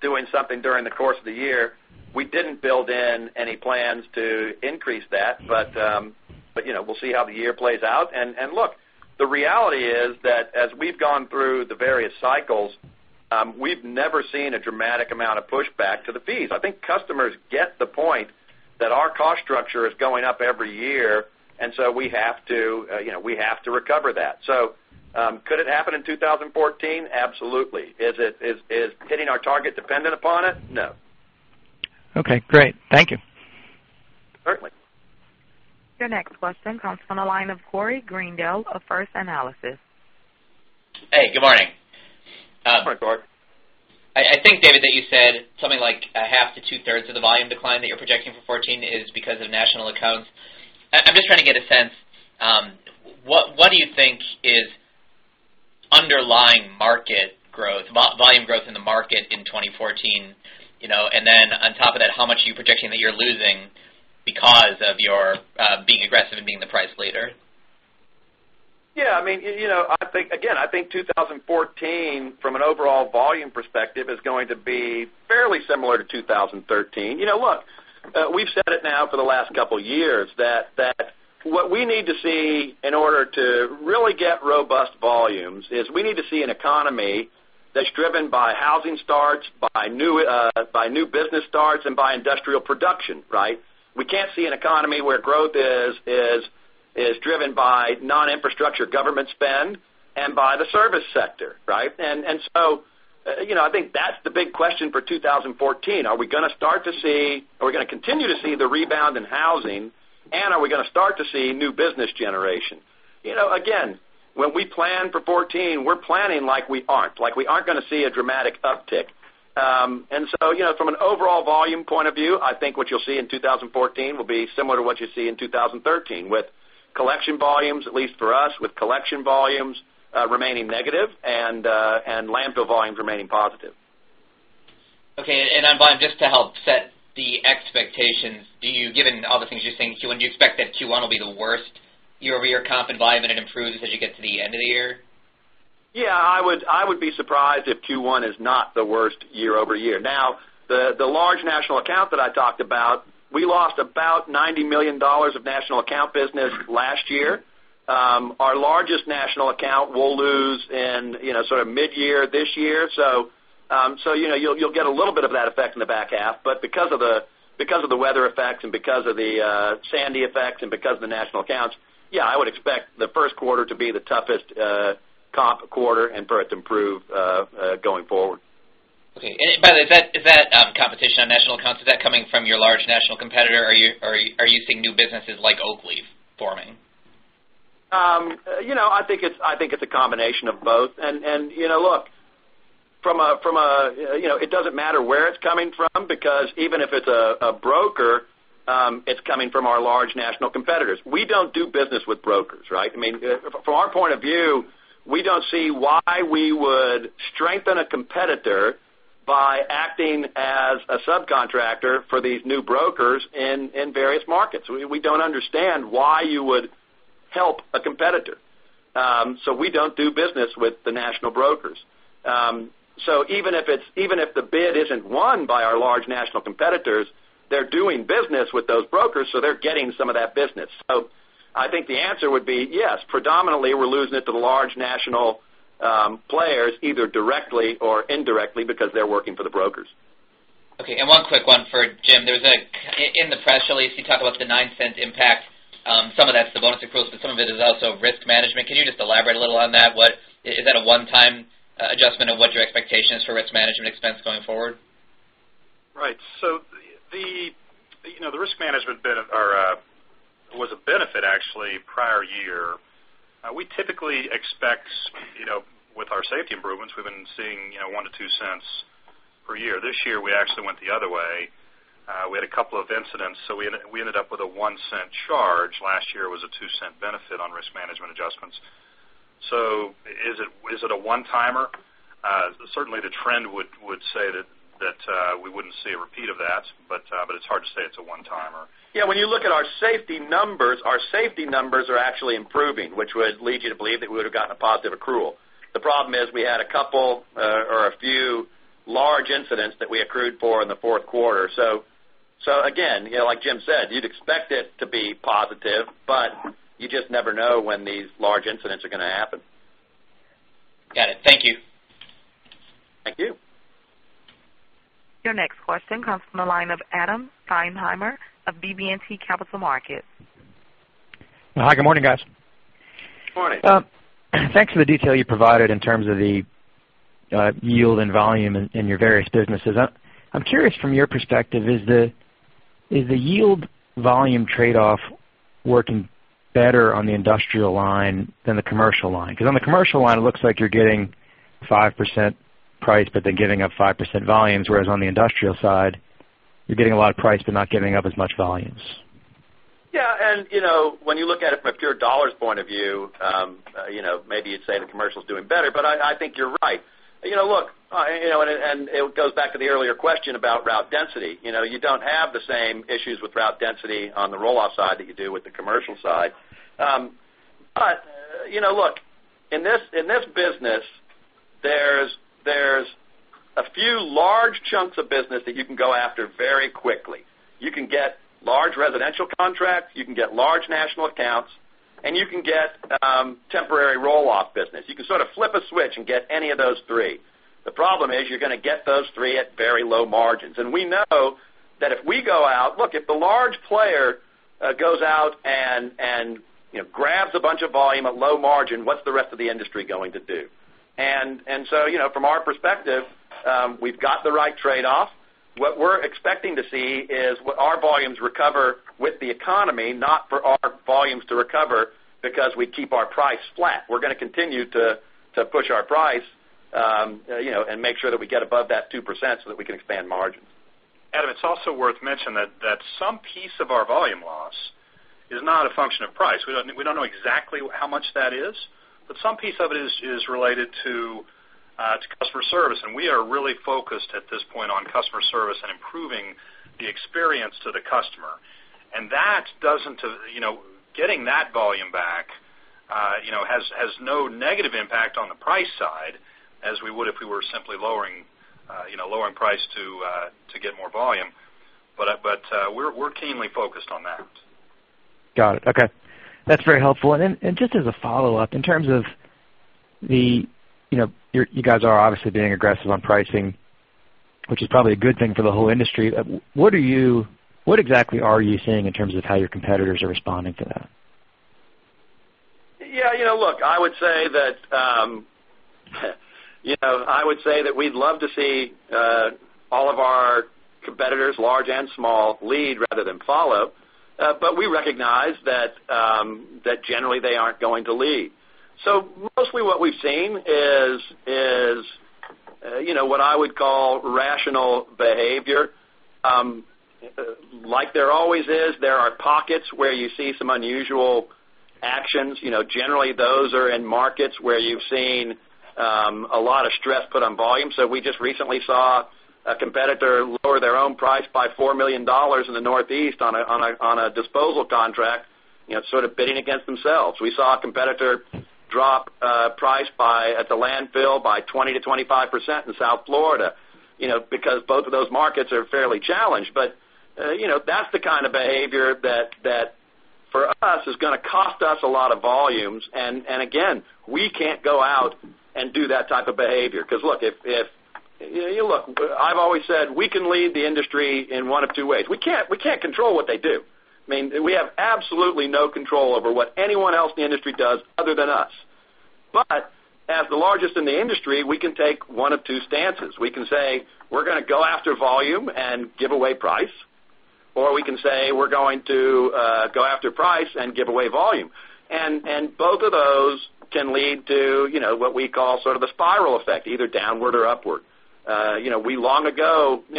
S3: doing something during the course of the year. We didn't build in any plans to increase that, we'll see how the year plays out. Look, the reality is that as we've gone through the various cycles, we've never seen a dramatic amount of pushback to the fees. I think customers get the point that our cost structure is going up every year, we have to recover that. Could it happen in 2014? Absolutely. Is hitting our target dependent upon it? No.
S7: Okay, great. Thank you.
S3: Certainly.
S1: Your next question comes from the line of Corey Greendale of First Analysis.
S8: Hey, good morning.
S3: Good morning, Corey.
S8: I think, David, that you said something like half to two-thirds of the volume decline that you're projecting for 2014 is because of national accounts. I'm just trying to get a sense, what do you think is underlying volume growth in the market in 2014? Then on top of that, how much are you projecting that you're losing because of your being aggressive and being the price leader?
S3: Yeah. Again, I think 2014, from an overall volume perspective, is going to be fairly similar to 2013. Look, we've said it now for the last two years that what we need to see in order to really get robust volumes is we need to see an economy that's driven by housing starts, by new business starts, and by industrial production, right? We can't see an economy where growth is driven by non-infrastructure government spend and by the service sector, right? So, I think that's the big question for 2014. Are we going to continue to see the rebound in housing, and are we going to start to see new business generation? Again, when we plan for 2014, we're planning like we aren't. Like we aren't going to see a dramatic uptick. So, from an overall volume point of view, I think what you'll see in 2014 will be similar to what you see in 2013, at least for us, with collection volumes remaining negative and landfill volumes remaining positive.
S8: Okay. I'm fine just to help set the expectations. Given all the things you're saying, Q1, do you expect that Q1 will be the worst year-over-year comp environment and improves as you get to the end of the year?
S3: Yeah, I would be surprised if Q1 is not the worst year-over-year. The large national account that I talked about, we lost about $90 million of national account business last year. Our largest national account will lose in sort of mid-year this year. You'll get a little bit of that effect in the back half, but because of the weather effects and because of the Sandy effects and because of the national accounts, yeah, I would expect the first quarter to be the toughest comp quarter and for it to improve going forward.
S8: Okay. By the way, is that competition on national accounts, is that coming from your large national competitor? Are you seeing new businesses like Oakleaf forming?
S3: I think it's a combination of both. Look, it doesn't matter where it's coming from, because even if it's a broker, it's coming from our large national competitors. We don't do business with brokers, right? From our point of view, we don't see why we would strengthen a competitor by acting as a subcontractor for these new brokers in various markets. We don't understand why you would help a competitor. We don't do business with the national brokers. Even if the bid isn't won by our large national competitors, they're doing business with those brokers, so they're getting some of that business. I think the answer would be yes, predominantly, we're losing it to the large national players, either directly or indirectly, because they're working for the brokers.
S8: Okay. One quick one for Jim. In the press release, you talk about the $0.09 impact. Some of that's the bonus accruals, but some of it is also risk management. Can you just elaborate a little on that? Is that a one-time adjustment of what your expectation is for risk management expense going forward?
S4: The risk management was a benefit, actually, prior year. We typically expect with our safety improvements, we've been seeing $0.01-$0.02 per year. This year, we actually went the other way. We had a couple of incidents, we ended up with a $0.01 charge. Last year, it was a $0.02 benefit on risk management adjustments. Is it a one-timer? Certainly, the trend would say that we wouldn't see a repeat of that, but it's hard to say it's a one-timer.
S3: Yeah, when you look at our safety numbers, our safety numbers are actually improving, which would lead you to believe that we would have gotten a positive accrual. The problem is we had a couple or a few large incidents that we accrued for in the fourth quarter. Again, like Jim said, you'd expect it to be positive, but you just never know when these large incidents are going to happen.
S8: Got it. Thank you.
S3: Thank you.
S1: Your next question comes from the line of Adam Thalhimer of BB&T Capital Markets.
S9: Hi, good morning, guys.
S3: Good morning.
S9: Thanks for the detail you provided in terms of the yield and volume in your various businesses. I'm curious, from your perspective, is the yield volume trade-off working better on the industrial line than the commercial line? On the commercial line, it looks like you're getting 5% price, but then giving up 5% volumes, whereas on the industrial side, you're getting a lot of price but not giving up as much volumes.
S3: Yeah, when you look at it from a pure dollars point of view, maybe you'd say the commercial's doing better, I think you're right. Look, it goes back to the earlier question about route density. You don't have the same issues with route density on the roll-off side that you do with the commercial side. Look, in this business, there's a few large chunks of business that you can go after very quickly. You can get large residential contracts, you can get large national accounts, and you can get temporary roll-off business. You can sort of flip a switch and get any of those three. The problem is you're going to get those three at very low margins. We know that if we look, if the large player goes out and grabs a bunch of volume at low margin, what's the rest of the industry going to do? From our perspective, we've got the right trade-off. What we're expecting to see is our volumes recover with the economy, not for our volumes to recover because we keep our price flat. We're going to continue to push our price, and make sure that we get above that 2% so that we can expand margin.
S4: Adam, it's also worth mentioning that some piece of our volume loss is not a function of price. We don't know exactly how much that is, some piece of it is related to customer service, and we are really focused at this point on customer service and improving the experience to the customer. Getting that volume back has no negative impact on the price side as we would if we were simply lowering price to get more volume. We're keenly focused on that.
S9: Got it. Okay. That's very helpful. Just as a follow-up, in terms of you guys are obviously being aggressive on pricing, which is probably a good thing for the whole industry. What exactly are you seeing in terms of how your competitors are responding to that?
S3: Yeah. Look, I would say that we'd love to see all of our competitors, large and small, lead rather than follow. We recognize that generally they aren't going to lead. Mostly what we've seen is what I would call rational behavior. Like there always is, there are pockets where you see some unusual actions. Generally, those are in markets where you've seen a lot of stress put on volume. We just recently saw a competitor lower their own price by $4 million in the Northeast on a disposal contract, sort of bidding against themselves. We saw a competitor drop price at the landfill by 20%-25% in South Florida, because both of those markets are fairly challenged. That's the kind of behavior that for us is going to cost us a lot of volumes, and again, we can't go out and do that type of behavior. Look, I've always said we can lead the industry in one of two ways. We can't control what they do. We have absolutely no control over what anyone else in the industry does other than us. As the largest in the industry, we can take one of two stances. We can say, we're going to go after volume and give away price. We can say we're going to go after price and give away volume. Both of those can lead to what we call sort of a spiral effect, either downward or upward.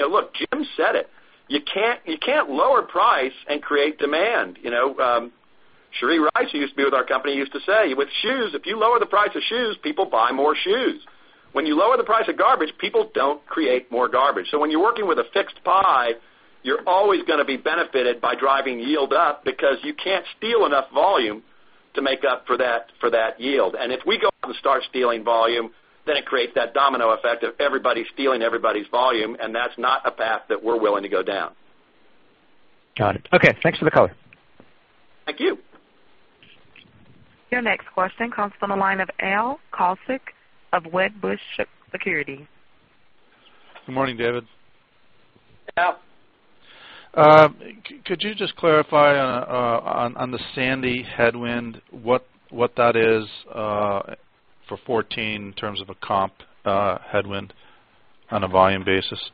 S3: Look, Jim said it. You can't lower price and create demand. Sheree Rice, who used to be with our company, used to say, "With shoes, if you lower the price of shoes, people buy more shoes." When you lower the price of garbage, people don't create more garbage. When you're working with a fixed pie, you're always going to be benefited by driving yield up because you can't steal enough volume to make up for that yield. If we go and start stealing volume, then it creates that domino effect of everybody stealing everybody's volume, and that's not a path that we're willing to go down.
S9: Got it. Okay, thanks for the color.
S3: Thank you.
S1: Your next question comes from the line of Al Kaschalk of Wedbush Securities.
S10: Good morning, David.
S3: Al.
S10: Could you just clarify on the Sandy headwind, what that is for 2014 in terms of a comp headwind on a volume basis?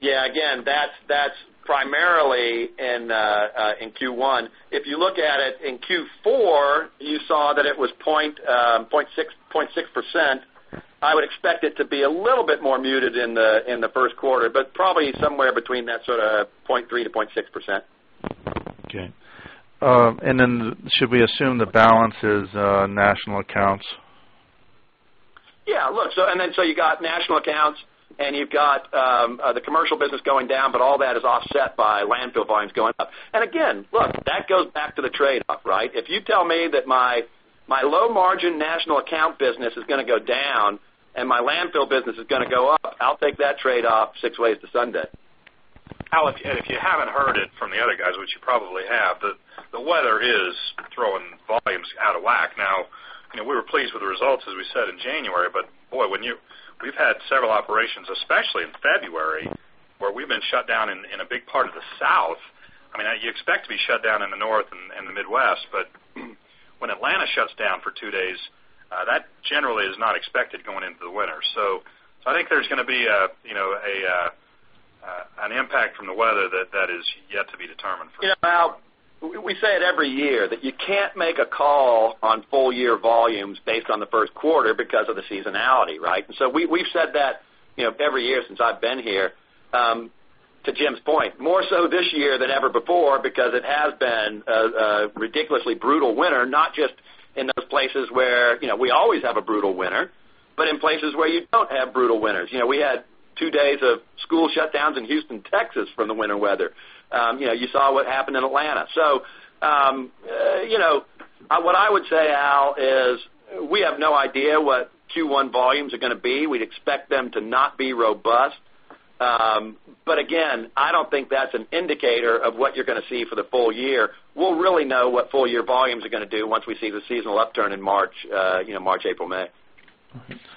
S3: Yeah, again, that's primarily in Q1. If you look at it in Q4, you saw that it was 0.6%. I would expect it to be a little bit more muted in the first quarter, but probably somewhere between that sort of 0.3%-0.6%.
S10: Okay. Should we assume the balance is national accounts?
S3: Yeah, look, you got national accounts and you've got the commercial business going down, but all that is offset by landfill volumes going up. Again, look, that goes back to the trade-off, right? If you tell me that my low-margin national account business is going to go down and my landfill business is going to go up, I'll take that trade-off six ways to Sunday.
S4: Al, if you haven't heard it from the other guys, which you probably have, the weather is throwing volumes out of whack. We were pleased with the results, as we said, in January, but boy, we've had several operations, especially in February, where we've been shut down in a big part of the South. You expect to be shut down in the North and the Midwest, but when Atlanta shuts down for two days, that generally is not expected going into the winter. I think there's going to be an impact from the weather that is yet to be determined.
S3: Al, we say it every year that you can't make a call on full year volumes based on the first quarter because of the seasonality, right? We've said that every year since I've been here. To Jim's point, more so this year than ever before because it has been a ridiculously brutal winter, not just in those places where we always have a brutal winter, but in places where you don't have brutal winters. We had two days of school shutdowns in Houston, Texas from the winter weather. You saw what happened in Atlanta. What I would say, Al, is we have no idea what Q1 volumes are going to be. We'd expect them to not be robust. I don't think that's an indicator of what you're going to see for the full year. We'll really know what full year volumes are going to do once we see the seasonal upturn in March. March, April, May.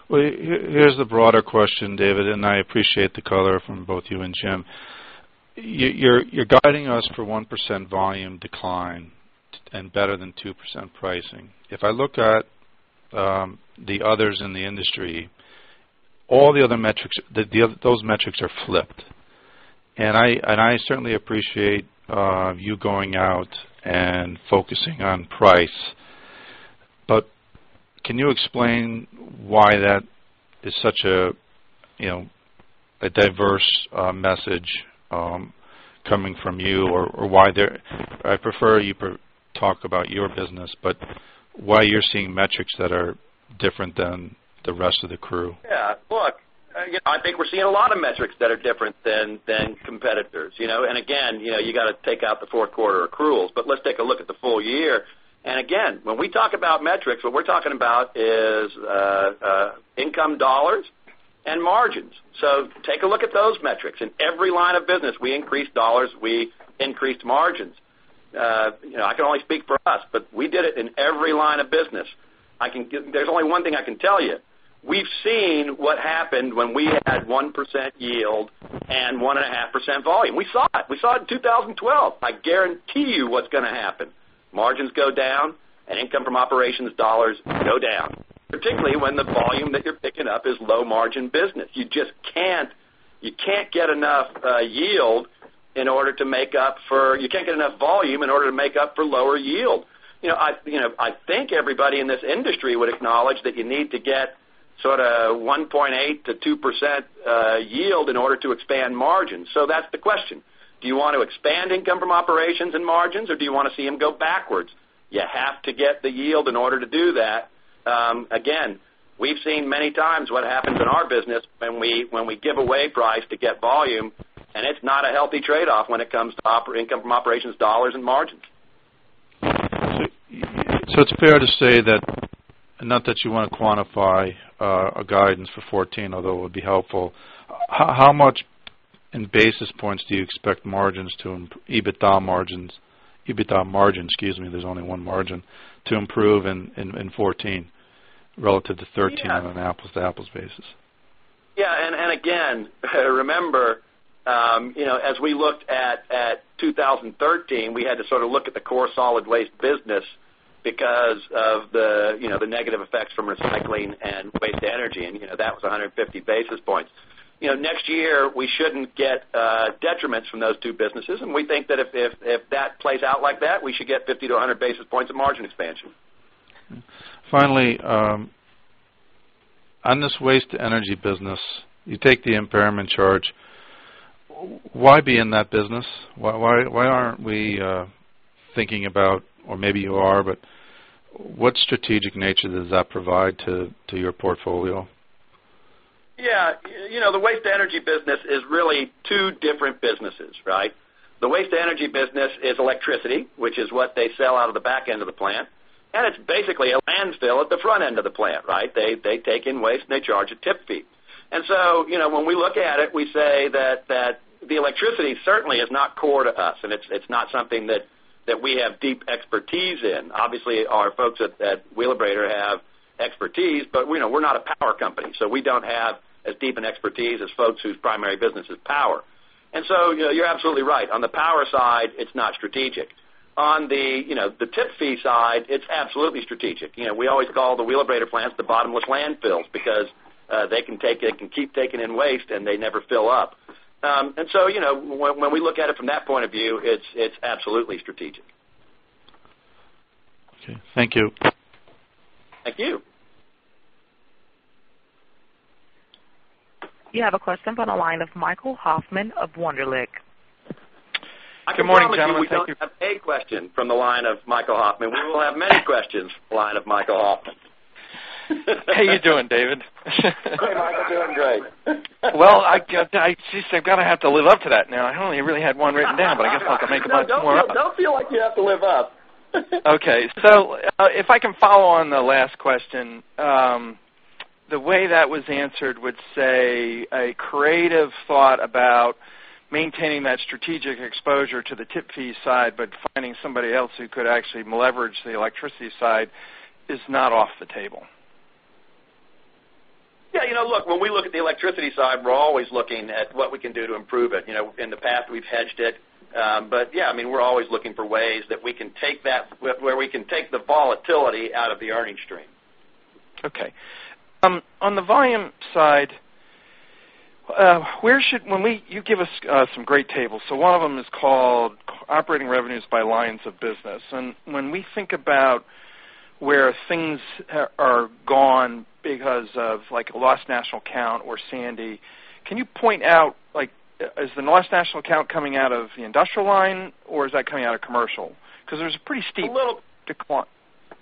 S10: Well, here's the broader question, David, and I appreciate the color from both you and Jim. You're guiding us for 1% volume decline and better than 2% pricing. If I look at the others in the industry, all the other metrics, those metrics are flipped. I certainly appreciate you going out and focusing on price. Can you explain why that is such a diverse message coming from you or why I prefer you talk about your business, but why you're seeing metrics that are different than the rest of the crew?
S3: Yeah, look, again, I think we're seeing a lot of metrics that are different than competitors. Again, you got to take out the fourth quarter accruals, but let's take a look at the full year. Again, when we talk about metrics, what we're talking about is income dollars and margins. Take a look at those metrics. In every line of business, we increased dollars, we increased margins. I can only speak for us, but we did it in every line of business. There's only one thing I can tell you. We've seen what happened when we had 1% yield and 1.5% volume. We saw it. We saw it in 2012. I guarantee you what's going to happen. Margins go down and income from operations dollars go down, particularly when the volume that you're picking up is low-margin business. You can't get enough volume in order to make up for lower yield. I think everybody in this industry would acknowledge that you need to get sort of 1.8% to 2% yield in order to expand margins. That's the question. Do you want to expand income from operations and margins, or do you want to see them go backwards? You have to get the yield in order to do that. Again, we've seen many times what happens in our business when we give away price to get volume, and it's not a healthy trade-off when it comes to income from operations dollars and margins.
S10: It's fair to say that, not that you want to quantify a guidance for 2014, although it would be helpful, how much in basis points do you expect EBITDA margin, excuse me, there's only one margin, to improve in 2014 relative to 2013 on an apples-to-apples basis?
S3: Yeah. Again, remember, as we looked at 2013, we had to sort of look at the core solid waste business because of the negative effects from recycling and waste-to-energy, that was 150 basis points. Next year, we shouldn't get detriments from those two businesses, we think that if that plays out like that, we should get 50 to 100 basis points of margin expansion.
S10: Finally, on this waste to energy business, you take the impairment charge. Why be in that business? Why aren't we thinking about, or maybe you are, what strategic nature does that provide to your portfolio?
S3: Yeah. The waste to energy business is really two different businesses, right? The waste to energy business is electricity, which is what they sell out of the back end of the plant, and it's basically a landfill at the front end of the plant, right? They take in waste, and they charge a tip fee. When we look at it, we say that the electricity certainly is not core to us, and it's not something that we have deep expertise in. Obviously, our folks at Wheelabrator have expertise, but we're not a power company, so we don't have as deep an expertise as folks whose primary business is power. You're absolutely right. On the power side, it's not strategic. On the tip fee side, it's absolutely strategic. We always call the Wheelabrator plants the bottomless landfills because they can take it and keep taking in waste, and they never fill up. When we look at it from that point of view, it's absolutely strategic.
S10: Okay, thank you.
S3: Thank you.
S1: You have a question from the line of Michael Hoffman of Wunderlich.
S3: I can promise you, we don't have a question from the line of Michael Hoffman. We will have many questions from the line of Michael Hoffman.
S11: How are you doing, David?
S3: Hey, Michael. Doing great.
S11: I guess I'm going to have to live up to that now. I only really had one written down, but I guess I'll make a bunch more up.
S3: Don't feel like you have to live up.
S11: If I can follow on the last question. The way that was answered would say a creative thought about maintaining that strategic exposure to the tip fee side, but finding somebody else who could actually leverage the electricity side is not off the table.
S3: When we look at the electricity side, we're always looking at what we can do to improve it. In the past, we've hedged it. We're always looking for ways where we can take the volatility out of the earning stream.
S11: Okay. On the volume side, you give us some great tables. One of them is called operating revenues by lines of business. When we think about where things are gone because of like a lost national account or Sandy, can you point out, is the lost national account coming out of the industrial line, or is that coming out of commercial? There's a pretty steep decline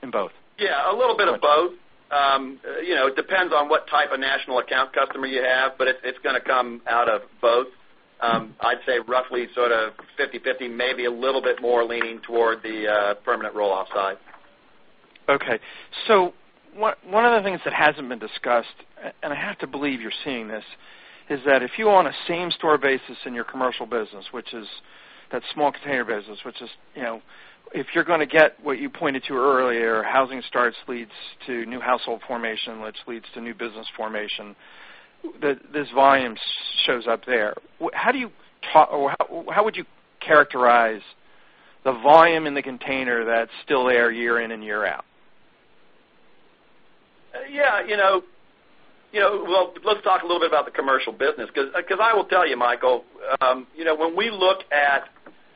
S11: in both.
S3: Yeah, a little bit of both. It depends on what type of national account customer you have, it's going to come out of both. I'd say roughly sort of 50/50, maybe a little bit more leaning toward the permanent roll-off side.
S11: Okay. One of the things that hasn't been discussed, I have to believe you're seeing this, is that if you own a same-store basis in your commercial business, which is that small container business. If you're going to get what you pointed to earlier, housing starts leads to new household formation, which leads to new business formation, this volume shows up there. How would you characterize the volume in the container that's still there year in and year out?
S3: Yeah. Well, let's talk a little bit about the commercial business, because I will tell you, Michael,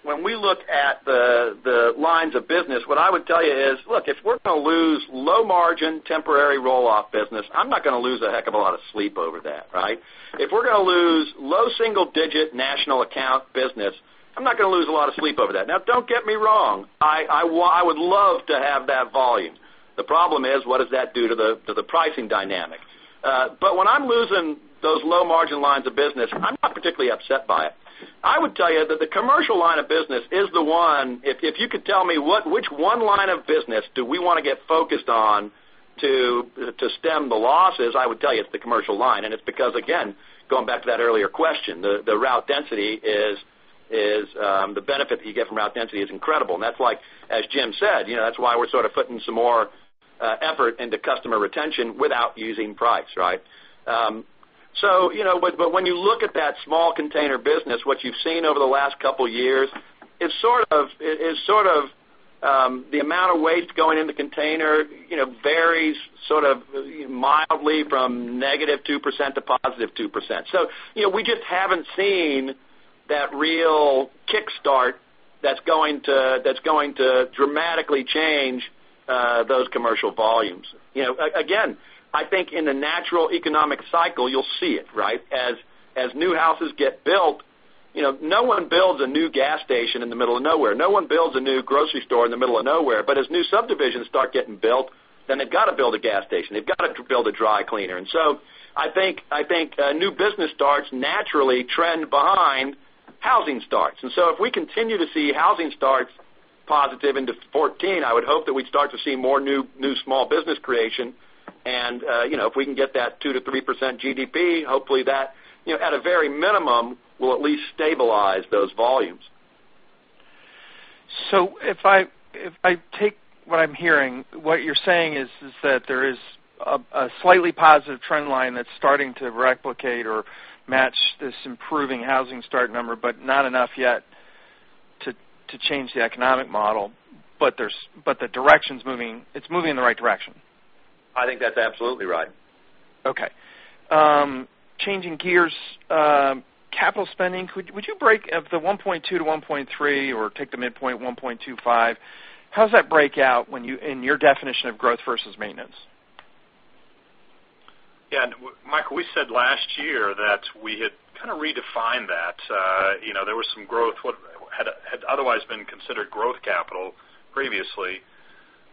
S3: when we look at the lines of business, what I would tell you is, look, if we're going to lose low margin temporary roll-off business, I'm not going to lose a heck of a lot of sleep over that, right? If we're going to lose low single digit national account business, I'm not going to lose a lot of sleep over that. Now, don't get me wrong. I would love to have that volume. The problem is, what does that do to the pricing dynamic? When I'm losing those low margin lines of business, I'm not particularly upset by it. I would tell you that the commercial line of business is the one. If you could tell me which one line of business do we want to get focused on to stem the losses, I would tell you it's the commercial line. It's because, again, going back to that earlier question, the benefit that you get from route density is incredible. That's why, as Jim said, that's why we're sort of putting some more effort into customer retention without using price, right? When you look at that small container business, what you've seen over the last couple of years is sort of the amount of waste going in the container varies sort of mildly from negative 2% to positive 2%. We just haven't seen that real kick start that's going to dramatically change those commercial volumes. Again, I think in the natural economic cycle, you'll see it, right? As new houses get built, no one builds a new gas station in the middle of nowhere. No one builds a new grocery store in the middle of nowhere. As new subdivisions start getting built, then they've got to build a gas station. They've got to build a dry cleaner. I think new business starts naturally trend behind housing starts. If we continue to see housing starts positive into 2014, I would hope that we'd start to see more new small business creation. If we can get that 2%-3% GDP, hopefully that, at a very minimum, will at least stabilize those volumes.
S11: If I take what I'm hearing, what you're saying is that there is a slightly positive trend line that's starting to replicate or match this improving housing start number, but not enough yet to change the economic model. The direction's moving, it's moving in the right direction.
S3: I think that's absolutely right.
S11: Okay. Changing gears. Capital spending, would you break the 1.2 to 1.3 or take the midpoint 1.25? How does that break out in your definition of growth versus maintenance?
S4: Yeah, Michael, we said last year that we had kind of redefined that. There was some growth, what had otherwise been considered growth capital previously,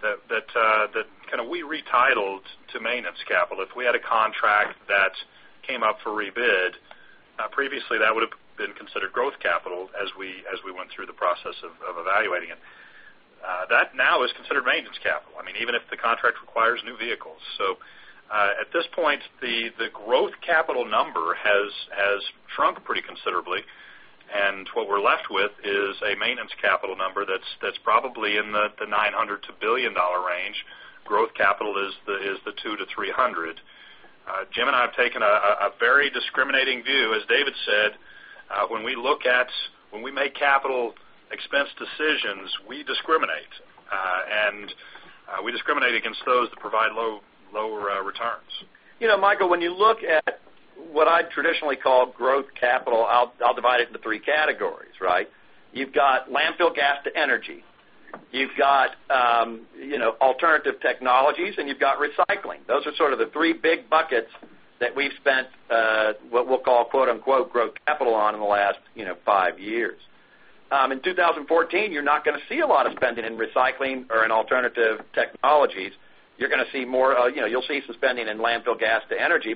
S4: that we retitled to maintenance capital. If we had a contract that came up for rebid, previously, that would've been considered growth capital as we went through the process of evaluating it. That now is considered maintenance capital, even if the contract requires new vehicles. At this point, the growth capital number has shrunk pretty considerably, and what we're left with is a maintenance capital number that's probably in the $900 to billion range. Growth capital is the $200 to $300. Jim and I have taken a very discriminating view, as David said. When we make capital expense decisions, we discriminate, and we discriminate against those that provide lower returns.
S3: Michael, when you look at what I'd traditionally call growth capital, I'll divide it into three categories, right? You've got landfill gas to energy. You've got alternative technologies, and you've got recycling. Those are sort of the three big buckets that we've spent, what we'll call, quote-unquote, growth capital on in the last five years. In 2014, you're not going to see a lot of spending in recycling or in alternative technologies. You'll see some spending in landfill gas to energy,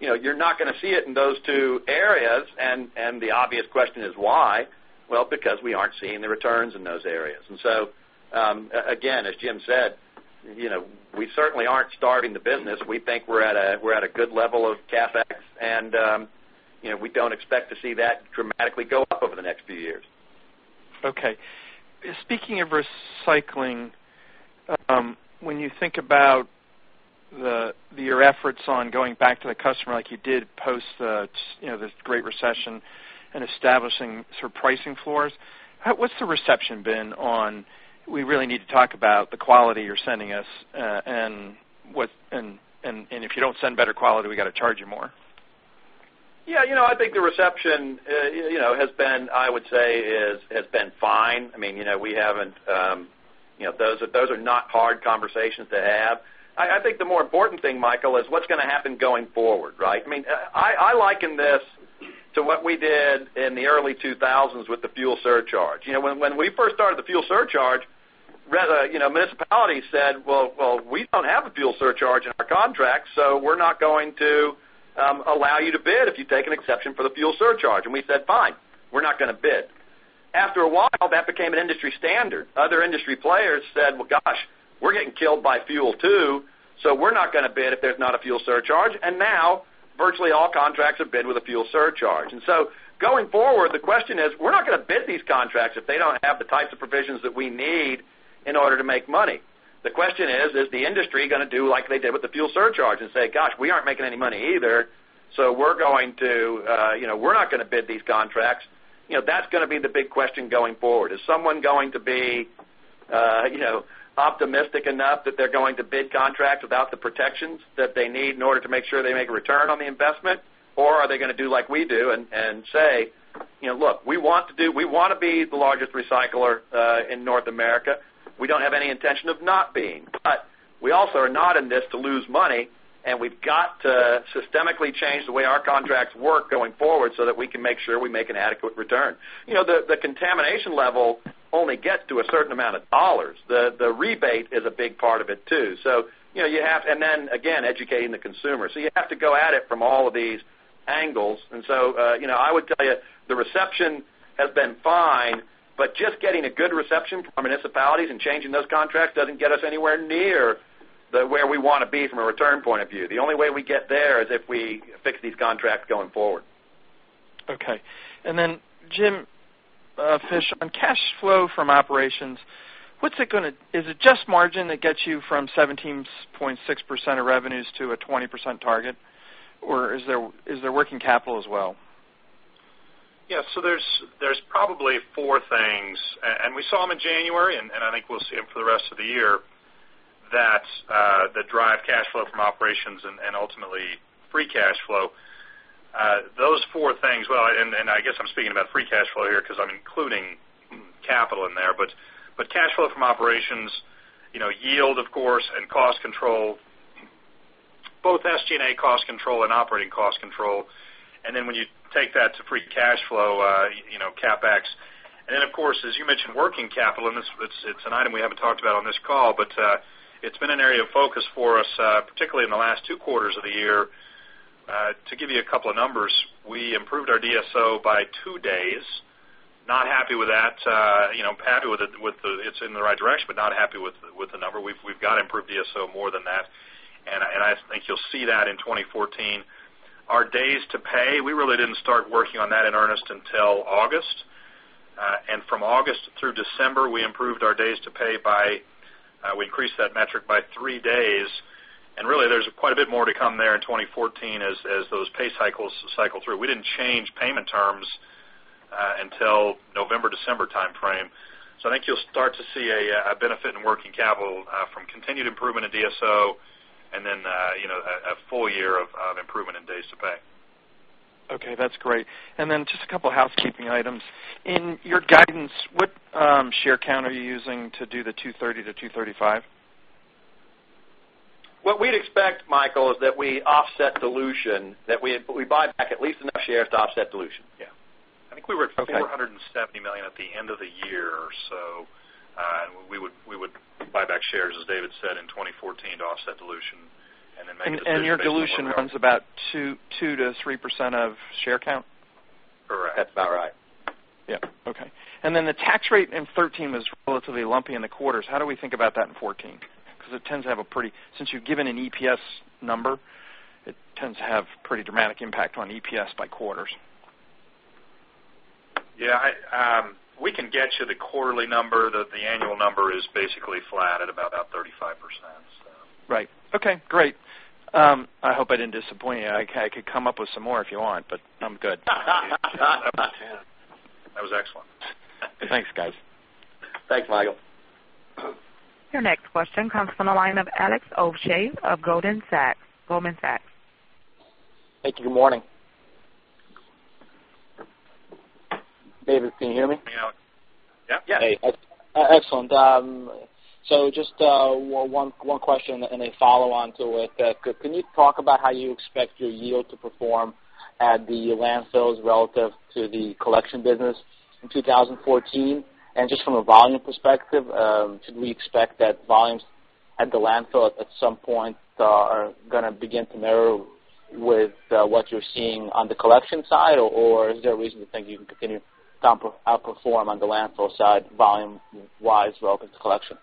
S3: you're not going to see it in those two areas. The obvious question is, why? Because we aren't seeing the returns in those areas. Again, as Jim said, we certainly aren't starting the business. We think we're at a good level of CapEx, and we don't expect to see that dramatically go up over the next few years.
S11: Okay. Speaking of recycling, when you think about your efforts on going back to the customer like you did post the great recession and establishing pricing floors, what's the reception been on, we really need to talk about the quality you're sending us, and if you don't send better quality, we've got to charge you more?
S3: Yeah, I think the reception has been, I would say, fine. Those are not hard conversations to have. I think the more important thing, Michael, is what's going to happen going forward, right? I liken this to what we did in the early 2000s with the fuel surcharge. When we first started the fuel surcharge, municipalities said, "Well, we don't have a fuel surcharge in our contract, so we're not going to allow you to bid if you take an exception for the fuel surcharge." We said, "Fine, we're not going to bid." After a while, that became an industry standard. Other industry players said, "Well, gosh, we're getting killed by fuel too, so we're not going to bid if there's not a fuel surcharge." Now virtually all contracts are bid with a fuel surcharge. Going forward, the question is, we're not going to bid these contracts if they don't have the types of provisions that we need in order to make money. The question is the industry going to do like they did with the fuel surcharge and say, "Gosh, we aren't making any money either, so we're not going to bid these contracts"? That's going to be the big question going forward. Is someone going to be optimistic enough that they're going to bid contracts without the protections that they need in order to make sure they make a return on the investment? Are they going to do like we do and say, "Look, we want to be the largest recycler in North America. We don't have any intention of not being. We also are not in this to lose money, and we've got to systemically change the way our contracts work going forward so that we can make sure we make an adequate return." The contamination level only gets to a certain amount of dollars. The rebate is a big part of it, too. Again, educating the consumer. You have to go at it from all of these angles. I would tell you the reception has been fine, but just getting a good reception from municipalities and changing those contracts doesn't get us anywhere near where we want to be from a return point of view. The only way we get there is if we fix these contracts going forward.
S11: Okay. Jim Fish, on cash flow from operations, is it just margin that gets you from 17.6% of revenues to a 20% target, or is there working capital as well?
S4: There's probably four things, we saw them in January, I think we'll see them for the rest of the year, that drive cash flow from operations and ultimately free cash flow. Those four things, I guess I'm speaking about free cash flow here because I'm including capital in there, but cash flow from operations, yield, of course, and cost control, both SG&A cost control and operating cost control. When you take that to free cash flow, CapEx. Of course, as you mentioned, working capital, and it's an item we haven't talked about on this call, but it's been an area of focus for us, particularly in the last two quarters of the year. To give you a couple of numbers, we improved our DSO by two days. Not happy with that. It's in the right direction, not happy with the number. We've got to improve DSO more than that, I think you'll see that in 2014. Our days to pay, we really didn't start working on that in earnest until August. From August through December, we improved our days to pay by we increased that metric by three days. Really, there's quite a bit more to come there in 2014 as those pay cycles cycle through. We didn't change payment terms until November, December timeframe. I think you'll start to see a benefit in working capital from continued improvement in DSO and then a full year of improvement in days to pay.
S11: Okay. That's great. Just a couple housekeeping items. In your guidance, what share count are you using to do the 230-235?
S4: What we'd expect, Michael, is that we offset dilution, that we buy back at least enough shares to offset dilution. Yeah. I think we were at 470 million at the end of the year or so. We would buy back shares, as David said, in 2014 to offset dilution and then make-
S11: Your dilution runs about 2%-3% of share count?
S4: Correct. That's about right.
S11: Yeah. Okay. The tax rate in 2013 is relatively lumpy in the quarters. How do we think about that in 2014? Since you've given an EPS number, it tends to have pretty dramatic impact on EPS by quarters.
S4: Yeah. We can get you the quarterly number. The annual number is basically flat at about 35%.
S11: Right. Okay, great. I hope I didn't disappoint you. I could come up with some more if you want, but I'm good.
S4: That was excellent.
S11: Thanks, guys.
S4: Thanks, Michael.
S1: Your next question comes from the line of Alex Ovchar of Goldman Sachs.
S12: Thank you. Good morning. David, can you hear me?
S4: Hey, Alex. Yeah.
S12: Hey. Excellent. Just one question and a follow-on to it. Can you talk about how you expect your yield to perform at the landfills relative to the collection business in 2014? Just from a volume perspective, should we expect that volumes at the landfill at some point are going to begin to narrow with what you're seeing on the collection side, or is there a reason to think you can continue to outperform on the landfill side volume-wise relative to collection?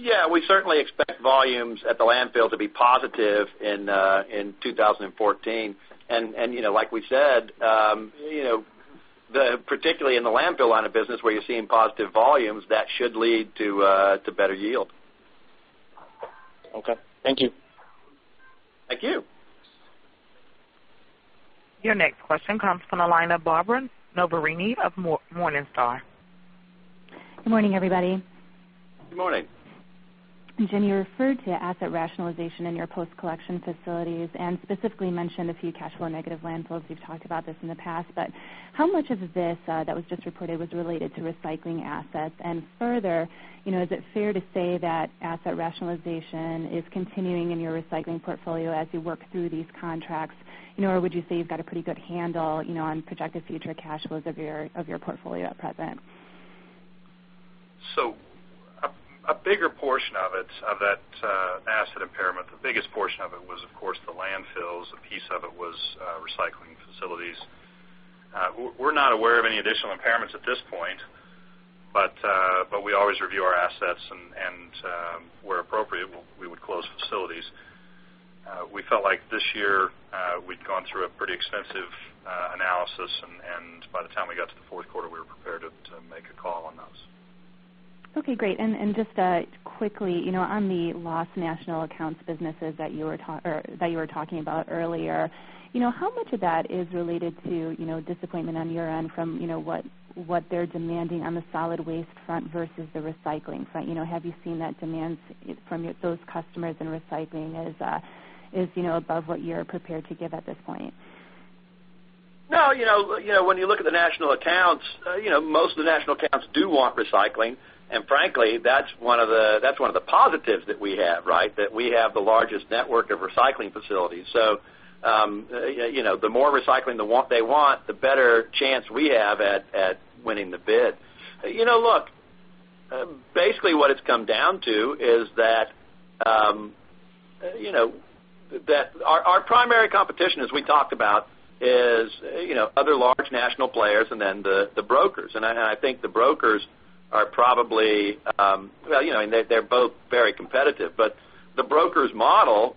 S4: Yeah, we certainly expect volumes at the landfill to be positive in 2014. Like we said, particularly in the landfill line of business where you're seeing positive volumes, that should lead to better yield.
S12: Okay. Thank you.
S4: Thank you.
S1: Your next question comes from the line of Barbara Noverini of Morningstar.
S13: Good morning, everybody.
S4: Good morning.
S13: Jim, you referred to asset rationalization in your post-collection facilities and specifically mentioned a few cash flow negative landfills. You've talked about this in the past, but how much of this that was just reported was related to recycling assets? Further, is it fair to say that asset rationalization is continuing in your recycling portfolio as you work through these contracts? Would you say you've got a pretty good handle on projected future cash flows of your portfolio at present?
S4: A bigger portion of that asset impairment, the biggest portion of it was, of course, the landfills. A piece of it was recycling facilities. We're not aware of any additional impairments at this point, but we always review our assets and where appropriate, we would close facilities. We felt like this year, we'd gone through a pretty extensive analysis, and by the time we got to the fourth quarter, we were prepared to make a call on those.
S13: Okay, great. Just quickly, on the lost national accounts businesses that you were talking about earlier, how much of that is related to disappointment on your end from what they're demanding on the solid waste front versus the recycling front? Have you seen that demands from those customers in recycling is above what you're prepared to give at this point?
S4: No. When you look at the national accounts, most of the national accounts do want recycling, frankly, that's one of the positives that we have, right? That we have the largest network of recycling facilities. The more recycling they want, the better chance we have at winning the bid. Look, basically what it's come down to is that our primary competition, as we talked about, is other large national players and then the brokers. I think the brokers are they're both very competitive, the brokers model,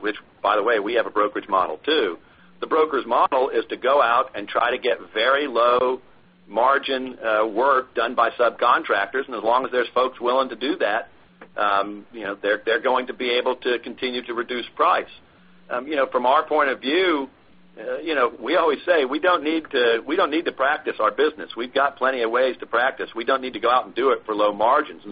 S4: which by the way, we have a brokerage model too. The brokers model is to go out and try to get very low margin work done by subcontractors, as long as there's folks willing to do that, they're going to be able to continue to reduce price. From our point of view, we always say, we don't need to practice our business. We've got plenty of ways to practice. We don't need to go out and do it for low margins.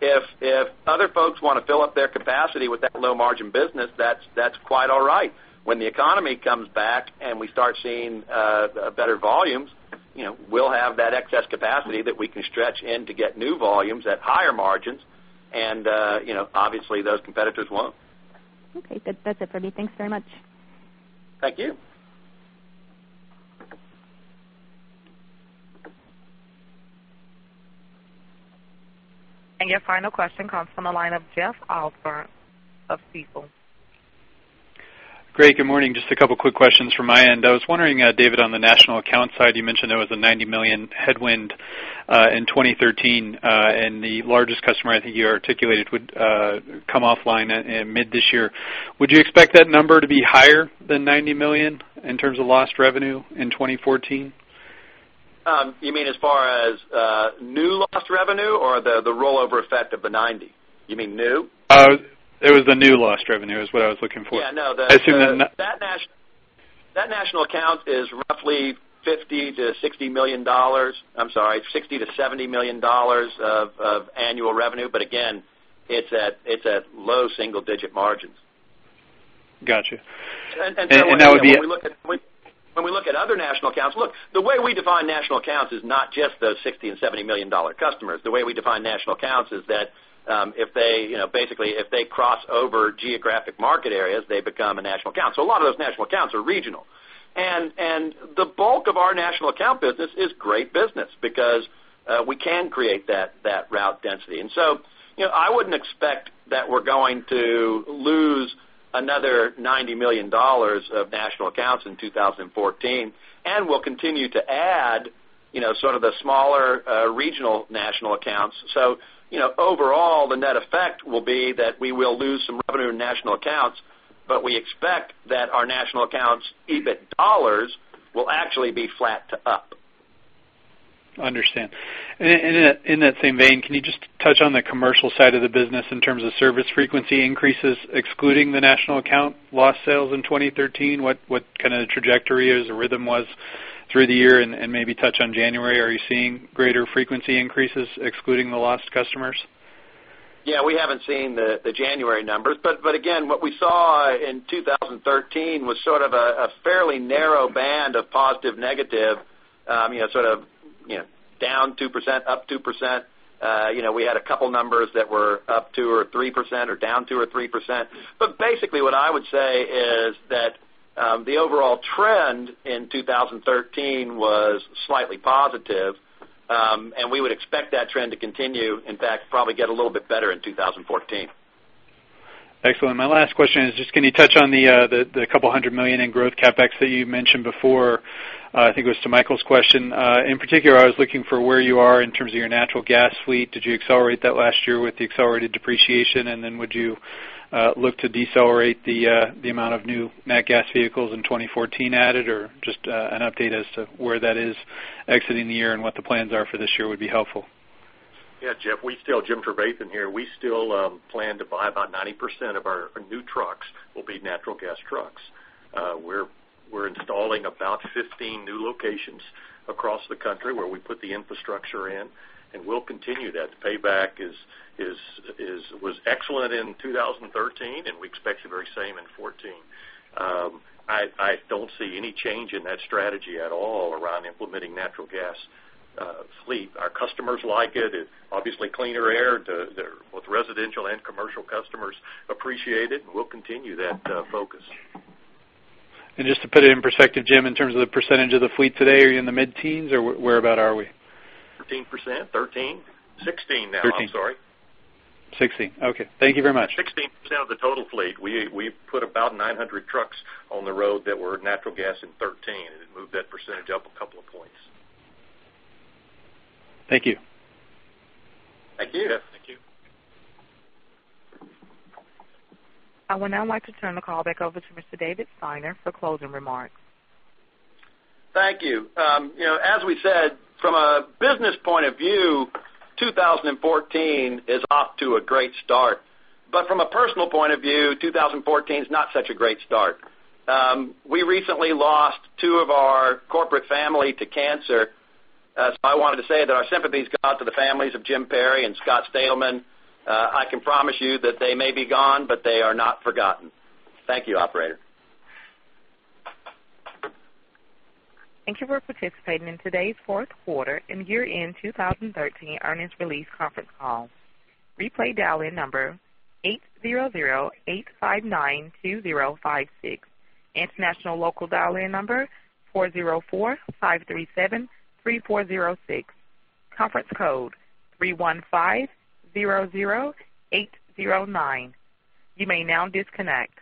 S4: If other folks want to fill up their capacity with that low margin business, that's quite all right. When the economy comes back and we start seeing better volumes, we'll have that excess capacity that we can stretch in to get new volumes at higher margins, obviously, those competitors won't.
S13: Okay. That's it for me. Thanks very much.
S4: Thank you.
S1: Your final question comes from the line of Jeff [Albert] of Stifel.
S14: Great. Good morning. Just a couple quick questions from my end. I was wondering, David, on the national account side, you mentioned there was a $90 million headwind in 2013, and the largest customer, I think you articulated, would come offline mid this year. Would you expect that number to be higher than $90 million in terms of lost revenue in 2014?
S3: You mean as far as new lost revenue or the rollover effect of the $90? You mean new?
S14: It was the new lost revenue is what I was looking for.
S3: Yeah, no.
S14: I assume that.
S3: That national account is roughly $50 million-$60 million. I'm sorry, $60 million-$70 million of annual revenue. Again, it's at low single-digit margins.
S14: Got you.
S3: When we look at other national accounts, the way we define national accounts is not just those $60 million and $70 million customers. The way we define national accounts is that, basically, if they cross over geographic market areas, they become a national account. A lot of those national accounts are regional. The bulk of our national account business is great business because we can create that route density. I wouldn't expect that we're going to lose another $90 million of national accounts in 2014. We'll continue to add sort of the smaller regional national accounts. Overall, the net effect will be that we will lose some revenue in national accounts, but we expect that our national accounts, EBIT dollars, will actually be flat to up.
S14: Understand. In that same vein, can you just touch on the commercial side of the business in terms of service frequency increases, excluding the national account lost sales in 2013? What kind of the trajectory is or rhythm was through the year, and maybe touch on January. Are you seeing greater frequency increases excluding the lost customers?
S3: Yeah, we haven't seen the January numbers. Again, what we saw in 2013 was sort of a fairly narrow band of positive, negative. Sort of down 2%, up 2%. We had a couple numbers that were up 2% or 3%, or down 2% or 3%. Basically, what I would say is that the overall trend in 2013 was slightly positive. We would expect that trend to continue, in fact, probably get a little bit better in 2014.
S14: Excellent. My last question is just can you touch on the $200 million in growth CapEx that you mentioned before? I think it was to Michael's question. In particular, I was looking for where you are in terms of your natural gas fleet. Did you accelerate that last year with the accelerated depreciation? Would you look to decelerate the amount of new nat gas vehicles in 2014 added? Or just an update as to where that is exiting the year and what the plans are for this year would be helpful.
S15: Yeah, Jeff. Jim Trevathan in here. We still plan to buy about 90% of our new trucks will be natural gas trucks. We're installing about 15 new locations across the country where we put the infrastructure in. We'll continue that. The payback was excellent in 2013, and we expect the very same in 2014. I don't see any change in that strategy at all around implementing natural gas fleet. Our customers like it. It obviously cleaner air. Both residential and commercial customers appreciate it. We'll continue that focus.
S14: Just to put it in perspective, Jim, in terms of the percentage of the fleet today, are you in the mid-teens or whereabout are we?
S15: 13%. 16 now.
S14: 13.
S15: I'm sorry.
S14: 16. Okay. Thank you very much.
S15: 16% of the total fleet. We put about 900 trucks on the road that were natural gas in 2013, and it moved that percentage up a couple of points.
S14: Thank you.
S3: Thank you.
S15: Yeah. Thank you.
S1: I would now like to turn the call back over to Mr. David Steiner for closing remarks.
S3: Thank you. As we said, from a business point of view, 2014 is off to a great start. From a personal point of view, 2014 is not such a great start. We recently lost two of our corporate family to cancer. I wanted to say that our sympathies go out to the families of Jim Perry and Scott Stelman. I can promise you that they may be gone, but they are not forgotten. Thank you, operator.
S1: Thank you for participating in today's fourth quarter and year-end 2013 earnings release conference call. Replay dial-in number, 800-859-2056. International local dial-in number, 404-537-3406. Conference code, 31500809. You may now disconnect.